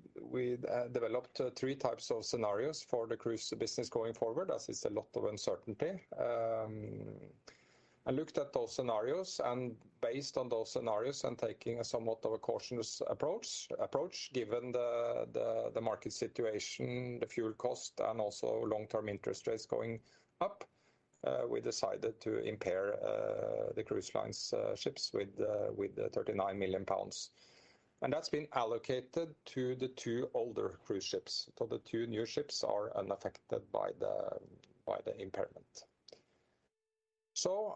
developed three types of scenarios for the cruise business going forward, as it's a lot of uncertainty. Looked at those scenarios and based on those scenarios and taking a somewhat of a cautious approach, given the market situation, the fuel cost, and also long-term interest rates going up, we decided to impair the cruise lines ships with the 39 million pounds. That's been allocated to the two older cruise ships. The two new ships are unaffected by the impairment.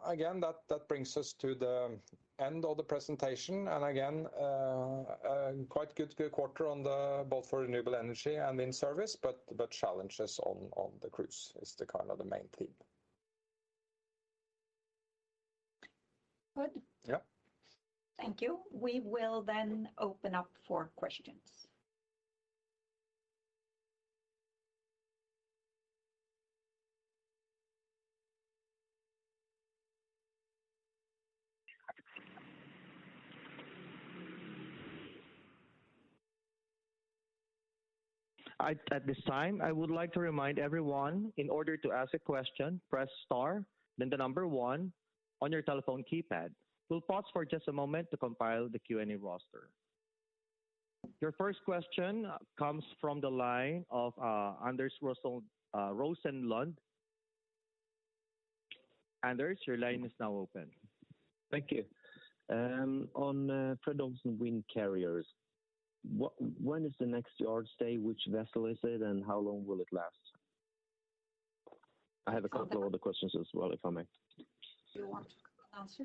Again, that brings us to the end of the presentation. Again, quite good quarter on both for renewable energy and in service, but challenges on the cruise is the kind of the main theme. Good. Yeah. Thank you. We will then open up for questions. At this time, I would like to remind everyone in order to ask a question, press star, then the number one on your telephone keypad. We'll pause for just a moment to compile the Q&A roster. Your first question comes from the line of Anders Rosenlund. Anders, your line is now open. Thank you. On Fred. Olsen Windcarrier, when is the next yard stay? Which vessel is it? How long will it last? I have a couple other questions as well, if I may. Do you want to answer?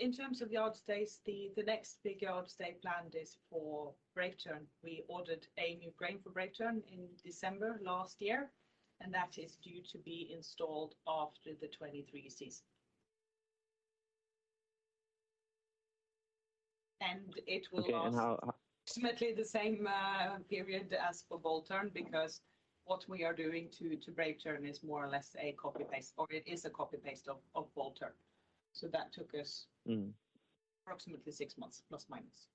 In terms of the yard stays, the next big yard stay planned is for Braemar. We ordered a new crane for Braemar in December last year, and that is due to be installed after the 2023 season. It will last approximately the same period as for Bold Tern because what we are doing to Braemar is more or less a copy-paste or it is a copy-paste of Bold Tern. That took us approximately six months, plus minus.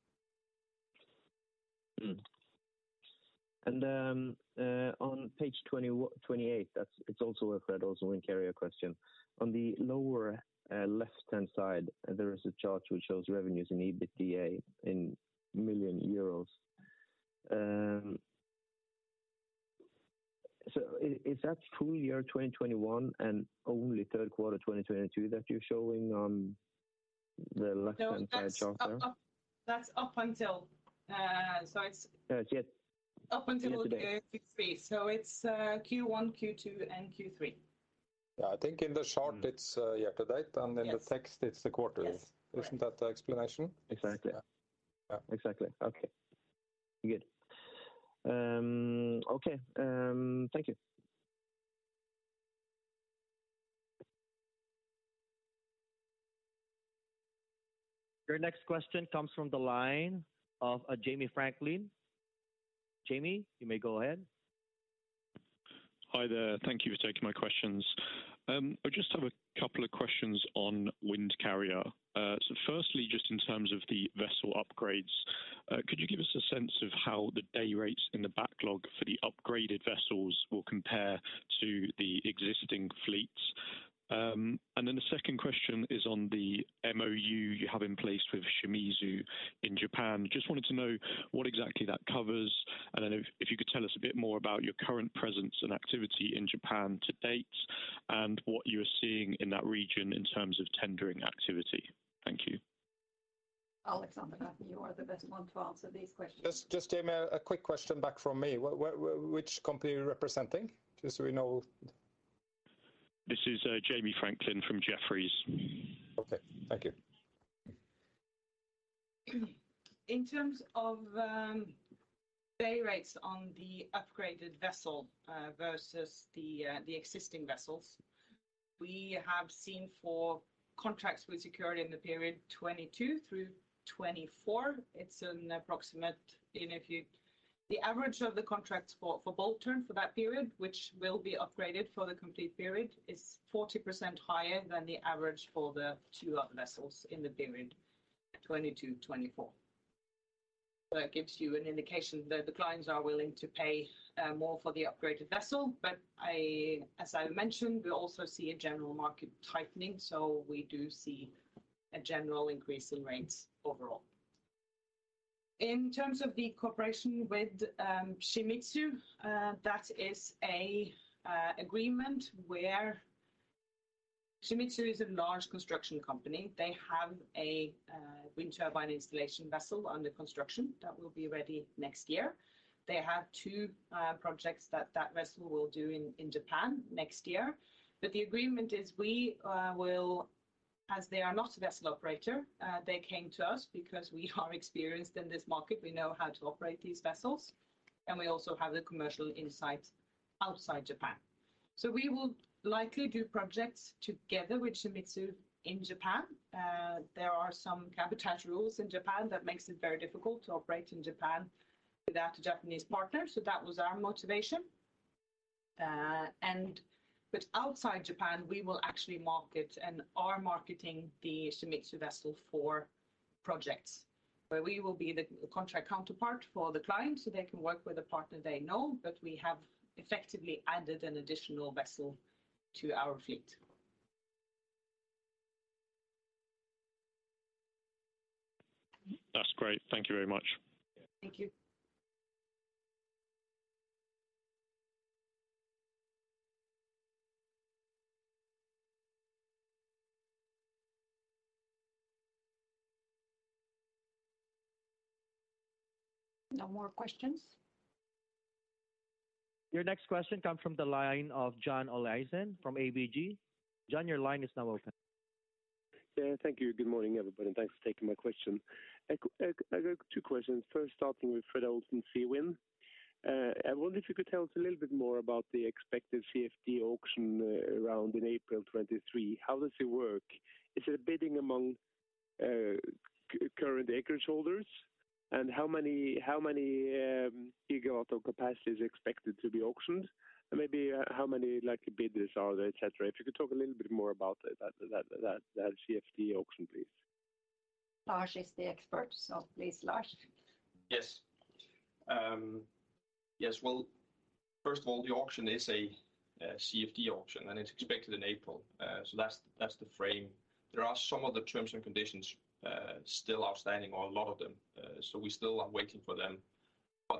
On page 28, it's also a Fred. Olsen Windcarrier question. On the lower left-hand side, there is a chart which shows revenues and EBITDA in million euros. So is that full year 2021 and only third quarter 2022 that you're showing on the left-hand side chart there? No, that's up until- Year to date.... up until Q3. It's Q1, Q2, and Q3. Yeah. I think in the chart it's year to date. Yes. In the text it's the quarter. Yes. Correct. Isn't that the explanation? Exactly. Yeah. Exactly. Okay. Good. Okay, thank you. Your next question comes from the line of Jamie Franklin. Jamie, you may go ahead. Hi there. Thank you for taking my questions. I just have a couple of questions on Windcarrier. So firstly, just in terms of the vessel upgrades, could you give us a sense of how the day rates in the backlog for the upgraded vessels will compare to the existing fleet? The second question is on the MOU you have in place with Shimizu in Japan. Just wanted to know what exactly that covers. If you could tell us a bit more about your current presence and activity in Japan to date and what you're seeing in that region in terms of tendering activity. Thank you. Alexandra Koefoed, I think you are the best one to answer these questions. Just Jamie, a quick question back from me. Which company are you representing? Just so we know. This is Jamie Franklin from Jefferies. Okay. Thank you. In terms of day rates on the upgraded vessel versus the existing vessels, we have seen for contracts we secured in the period 2022 through 2024. The average of the contracts for Bold Tern for that period, which will be upgraded for the complete period, is 40% higher than the average for the two other vessels in the period 2022-2024. It gives you an indication that the clients are willing to pay more for the upgraded vessel. As I mentioned, we also see a general market tightening, so we do see a general increase in rates overall. In terms of the cooperation with Shimizu, that is an agreement where Shimizu is a large construction company. They have a wind turbine installation vessel under construction that will be ready next year. They have two projects that vessel will do in Japan next year. The agreement is we will, as they are not a vessel operator, they came to us because we are experienced in this market. We know how to operate these vessels, and we also have the commercial insight outside Japan. We will likely do projects together with Shimizu in Japan. There are some cabotage rules in Japan that makes it very difficult to operate in Japan without a Japanese partner, so that was our motivation. Outside Japan, we will actually market and are marketing the Shimizu vessel for projects, where we will be the contract counterpart for the client, so they can work with a partner they know, but we have effectively added an additional vessel to our fleet. That's great. Thank you very much. Thank you. No more questions? Your next question comes from the line of John Olaisen from ABG. John, your line is now open. Yeah, thank you. Good morning, everybody, and thanks for taking my question. I got two questions. First, starting with Fred. Olsen Seawind. I wonder if you could tell us a little bit more about the expected CFD auction around in April 2023. How does it work? Is it a bidding among current acreage holders? And how many gigawatt of capacity is expected to be auctioned? Maybe how many, like, bidders are there, et cetera. If you could talk a little bit more about that CFD auction, please. Lars is the expert, so please, Lars. Yes. Well, first of all, the auction is a CfD auction, and it's expected in April. That's the frame. There are some other terms and conditions still outstanding on a lot of them, so we still are waiting for them.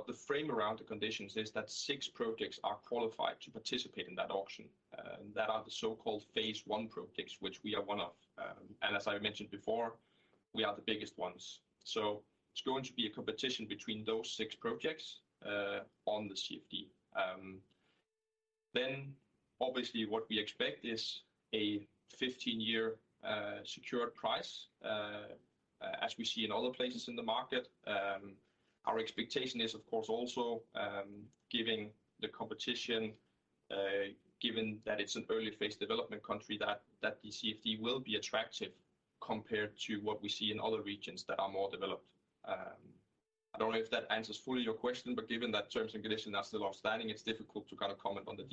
The frame around the conditions is that six projects are qualified to participate in that auction that are the so-called phase one projects, which we are one of. As I mentioned before, we are the biggest ones. It's going to be a competition between those six projects on the CfD. Obviously what we expect is a 15-year secured price as we see in other places in the market. Our expectation is of course also, giving the competition, given that it's an early phase development country, that the CfD will be attractive compared to what we see in other regions that are more developed. I don't know if that answers fully your question, but given that terms and conditions are still outstanding, it's difficult to kind of comment on the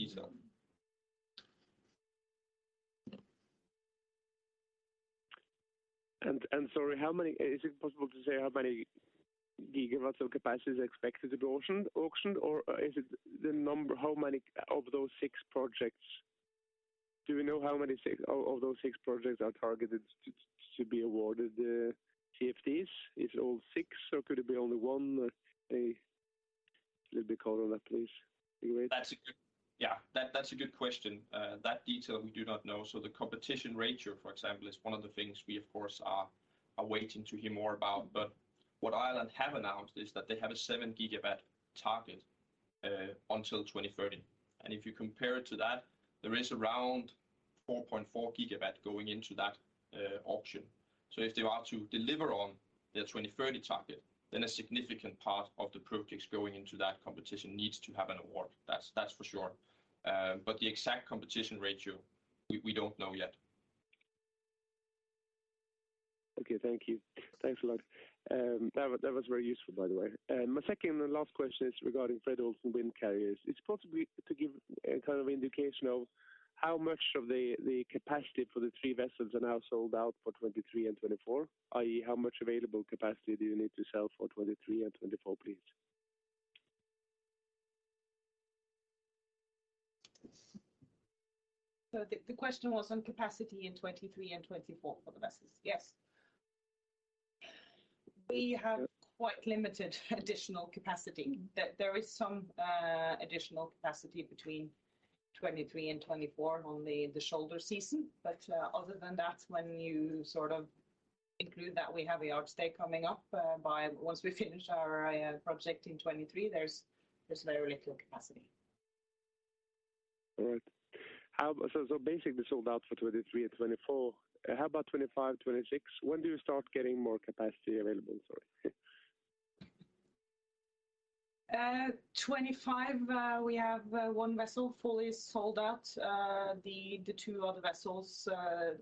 details. Sorry, is it possible to say how many gigawatts of capacity is expected to be auctioned or is it the number? How many of those six projects do we know are targeted to be awarded the CfDs? Is it all six or could it be only one? A little bit color on that, please. Be great. That's a good question. That detail we do not know. The competition ratio, for example, is one of the things we of course are waiting to hear more about. What Ireland have announced is that they have a 7 GW target until 2030. If you compare it to that, there is around 4.4 GW going into that auction. If they are to deliver on their 2030 target, then a significant part of the projects going into that competition needs to have an award. That's for sure. The exact competition ratio, we don't know yet. Okay. Thank you. Thanks a lot. That was very useful, by the way. My second and last question is regarding Fred. Olsen Windcarrier. Is it possible to give a kind of indication of how much of the capacity for the three vessels are now sold out for 2023 and 2024, i.e., how much available capacity do you need to sell for 2023 and 2024, please? The question was on capacity in 2023 and 2024 for the vessels. Yes. We have quite limited additional capacity. There is some additional capacity between 2023 and 2024 only the shoulder season. Other than that, when you sort of include that, we have a yard stay coming up. Once we finish our project in 2023, there's very little capacity. All right. Basically sold out for 2023 and 2024. How about 2025, 2026? When do you start getting more capacity available, sorry? 2025, we have one vessel fully sold out. The two other vessels,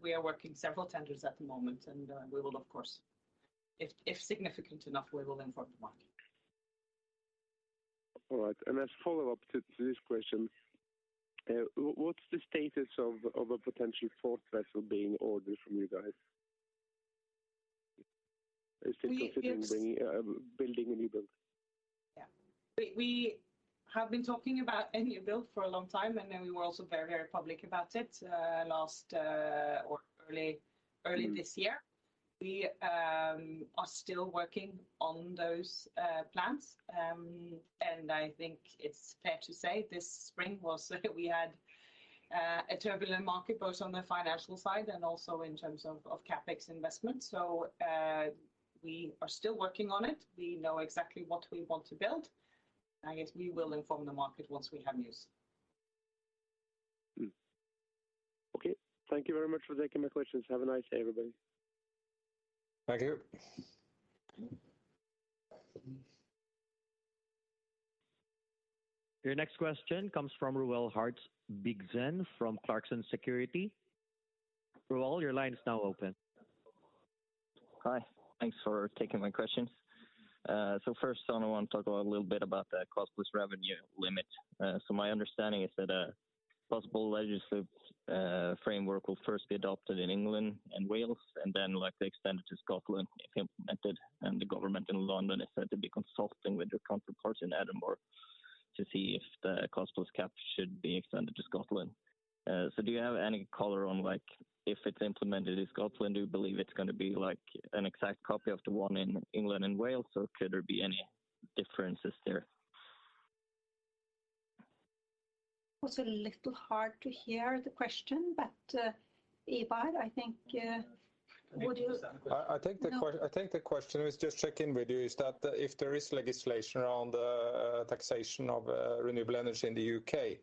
we are working several tenders at the moment, and we will of course. If significant enough, we will inform the market. All right. As follow-up to this question, what's the status of a potential fourth vessel being ordered from you guys? We- Interest in bringing, building a new build? Yeah. We have been talking about a new build for a long time, and then we were also very public about it last or early this year. We are still working on those plans. I think it's fair to say this spring was turbulent. We had a turbulent market both on the financial side and also in terms of CapEx investment. We are still working on it. We know exactly what we want to build. I guess we will inform the market once we have news. Okay. Thank you very much for taking my questions. Have a nice day, everybody. Thank you. Your next question comes from Roald Hartvigsen from Clarksons Securities. Roald, your line is now open. Hi. Thanks for taking my questions. So first, I wanna talk a little bit about the cost plus revenue limit. So my understanding is that a possible legislative framework will first be adopted in England and Wales and then likely extended to Scotland if implemented. The government in London is said to be consulting with their counterparts in Edinburgh to see if the cost plus cap should be extended to Scotland. So do you have any color on, like, if it's implemented in Scotland, do you believe it's gonna be like an exact copy of the one in England and Wales, or could there be any differences there? It was a little hard to hear the question, but Ivar, I think, would you- Can you repeat that question? No. I think the question he was just checking with you is that if there is legislation around taxation of renewable energy in the U.K.,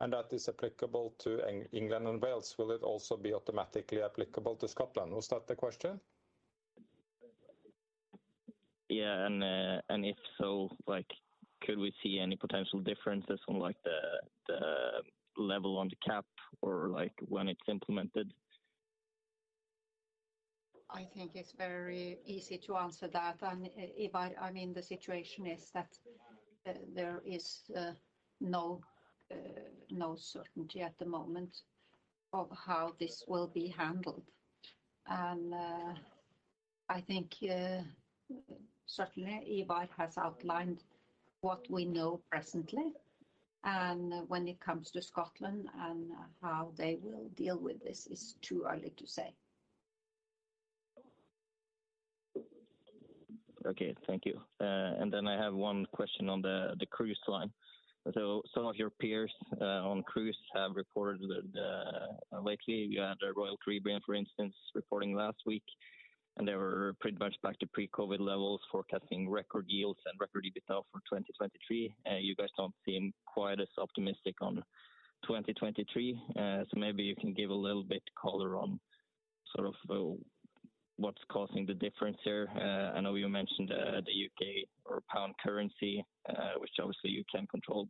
and that is applicable to England and Wales, will it also be automatically applicable to Scotland? Was that the question? Yes, and if so, like, could we see any potential differences on, like, the level on the cap or, like, when it's implemented? I think it's very easy to answer that. Ivar, I mean, the situation is that there is no certainty at the moment of how this will be handled. I think certainly Ivar has outlined what we know presently. When it comes to Scotland and how they will deal with this is too early to say. Okay. Thank you. I have one question on the cruise line. Some of your peers on cruise have reported that lately, you had Royal Caribbean, for instance, reporting last week, and they were pretty much back to pre-COVID levels, forecasting record yields and record EBITDA for 2023. You guys don't seem quite as optimistic on 2023. Maybe you can give a little bit of color on sort of what's causing the difference here. I know you mentioned the U.K. pound currency, which obviously you can't control.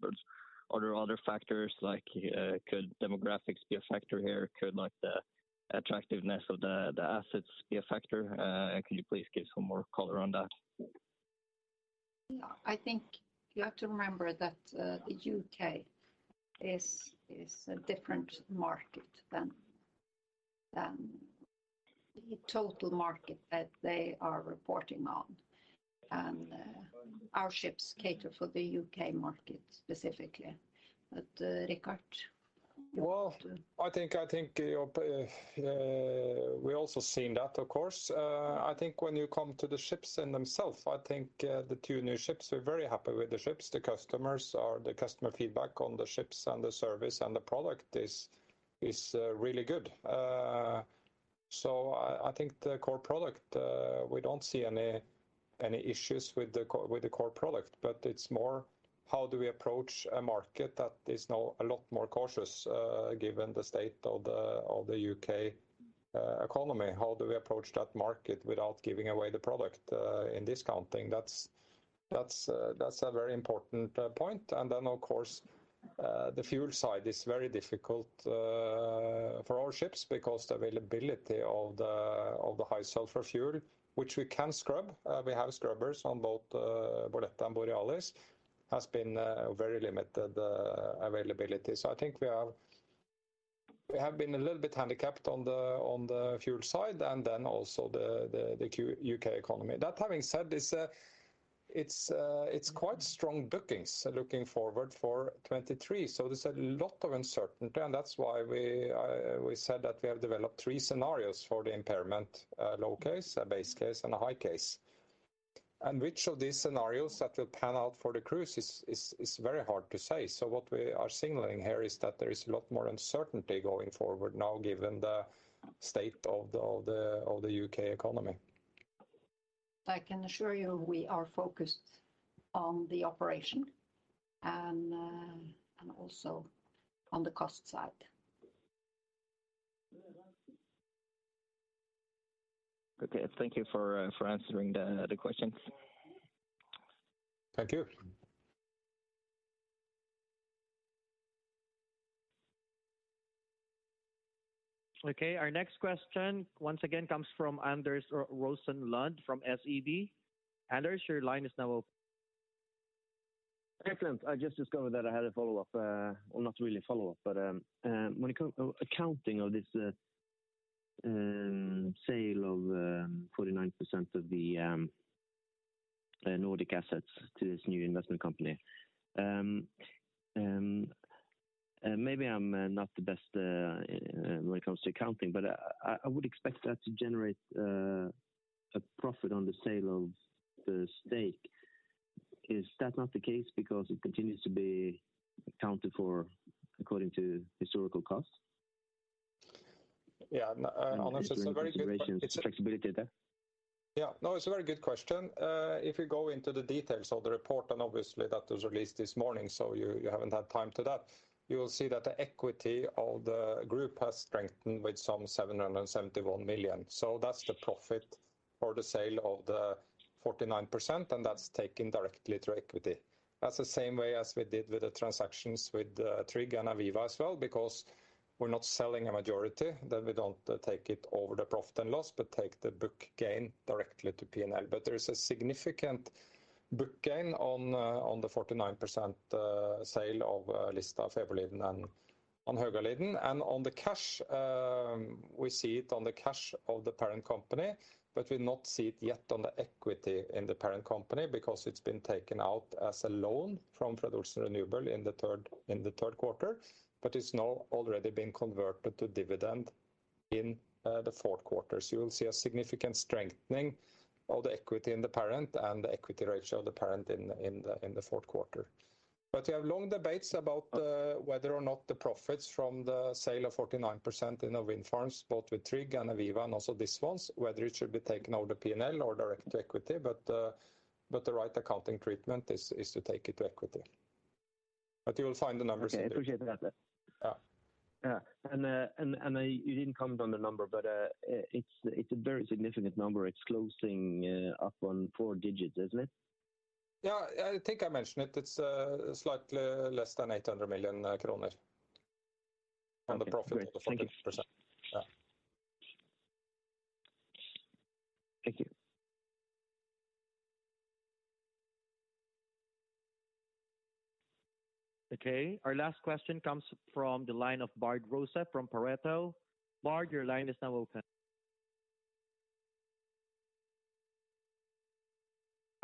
Are there other factors like could demographics be a factor here? Could like the attractiveness of the assets be a factor? Can you please give some more color on that? I think you have to remember that the U.K. is a different market than the total market that they are reporting on. Our ships cater for the U.K. market specifically. Richard. I think we're also seeing that, of course. I think when you come to the ships themselves, the two new ships, we're very happy with the ships. The customers or the customer feedback on the ships and the service and the product is really good. I think the core product, we don't see any issues with the core product. It's more how do we approach a market that is now a lot more cautious, given the state of the U.K. economy? How do we approach that market without giving away the product in discounting? That's a very important point. Of course, the fuel side is very difficult for our ships because the availability of the high sulfur fuel, which we can scrub, we have scrubbers on both Braemar and Borealis, has been very limited availability. I think we have been a little bit handicapped on the fuel side and then also the U.K. economy. That having said, it's quite strong bookings looking forward for 2023. There's a lot of uncertainty, and that's why we said that we have developed three scenarios for the impairment, low case, a base case and a high case. Which of these scenarios that will pan out for the cruise is very hard to say. What we are signaling here is that there is a lot more uncertainty going forward now, given the state of the U.K. economy. I can assure you we are focused on the operation and also on the cost side. Okay. Thank you for answering the questions. Thank you. Okay. Our next question once again comes from Anders Rosenlund from SEB. Anders, your line is now open. Excellent. I just discovered that I had a follow-up. Well, not really a follow-up, but when it comes to accounting of this sale of 49% of the Nordic assets to this new investment company. Maybe I'm not the best when it comes to accounting, but I would expect that to generate a profit on the sale of the stake. Is that not the case because it continues to be accounted for according to historcal costs? Yeah. No- Any flexibility there? Yeah. No, it's a very good question. If you go into the details of the report, and obviously that was released this morning, so you haven't had time to do that, you will see that the equity of the group has strengthened with some 771 million. So that's the profit from the sale of the 49%, and that's taken directly to equity. That's the same way as we did with the transactions with TRIG and Aviva as well, because we're not selling a majority, then we don't take it through the profit and loss, but take the book gain directly to P&L. But there is a significant book gain on the 49% sale of Lista, Fäbodliden, and on Högaliden. On the cash, we see it on the cash of the parent company, but we do not see it yet on the equity in the parent company because it's been taken out as a loan from Fred. Olsen Renewables in the third quarter. It's now already been converted to dividend in the fourth quarter. You'll see a significant strengthening of the equity in the parent and the equity ratio of the parent in the fourth quarter. We have long debates about whether or not the profits from the sale of 49% in the wind farms, both with TRIG and Aviva and also these ones, whether it should be taken out of P&L or direct to equity. The right accounting treatment is to take it to equity. You will find the numbers. Okay. Appreciate that. Yeah. Yeah. You didn't comment on the number, but it's a very significant number. It's closing up on four digits, isn't it? Yeah. I think I mentioned it. It's slightly less than 800 million kroner. The profit of 40%. Thank you. Okay. Our last question comes from the line of Bård Rosef from Pareto. Bård, your line is now open.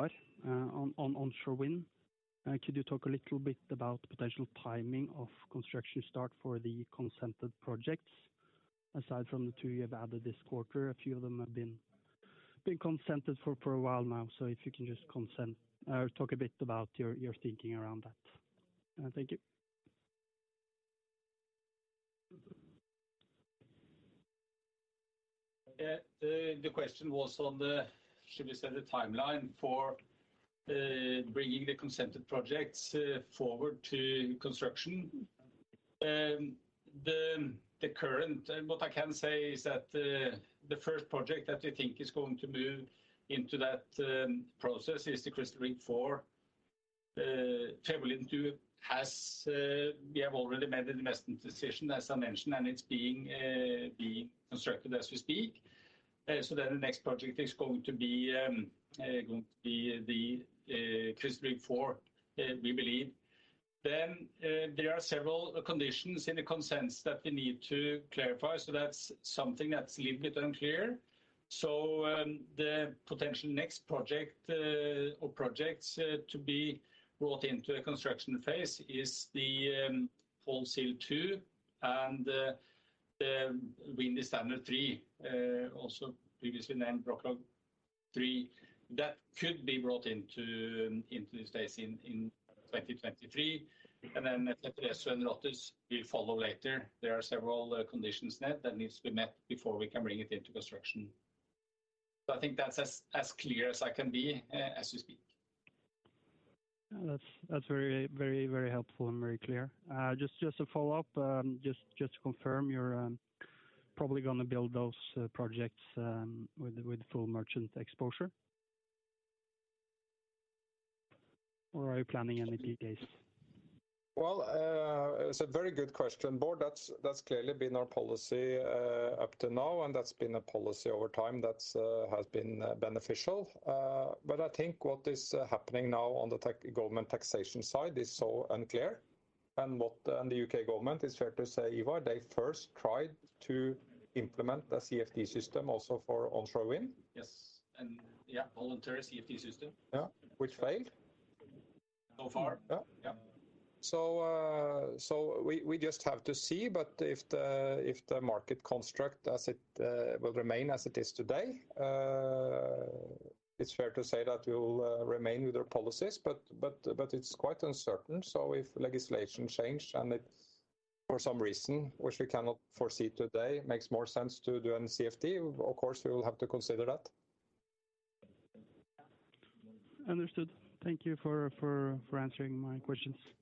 Bård, on onshore wind, could you talk a little bit about potential timing of construction start for the consented projects? Aside from the two you have added this quarter, a few of them have been consented for a while now. Talk a bit about your thinking around that. Thank you. The question was on, should we say, the timeline for bringing the consented projects forward to construction. What I can say is that the first project that we think is going to move into that process is the Crystal Rig IV. Fäbodliden II, we have already made an investment decision, as I mentioned, and it's being constructed as we speak. The next project is going to be the Crystal Rig IV, we believe. There are several conditions in the consents that we need to clarify, so that's something that's a little bit unclear. The potential next project, or projects, to be brought into the construction phase is the Paul's Hill II and the Windy Standard III, also previously named Brockloch Rig. That could be brought into this phase in 2023. Then Fetteresso and Lotus will follow later. There are several conditions there that needs to be met before we can bring it into construction. I think that's as clear as I can be, as you speak. That's very helpful and very clear. Just to follow up, just to confirm, you're probably gonna build those projects with full merchant exposure? Or are you planning any PPAs? Well, it's a very good question, Bård. That's clearly been our policy up to now, and that's been a policy over time that's has been beneficial. I think what is happening now on the government taxation side is so unclear. The U.K. government, it's fair to say, Ivar, they first tried to implement a CfD system also for onshore wind. Yes. Yeah, voluntary CfD system. Yeah. Which failed. So far. Yeah. Yeah. We just have to see, but if the market construct as it will remain as it is today, it's fair to say that we'll remain with our policies. But it's quite uncertain. If legislation change and it, for some reason, which we cannot foresee today, makes more sense to do a CfD, of course, we will have to consider that. Understood. Thank you for answering my questions.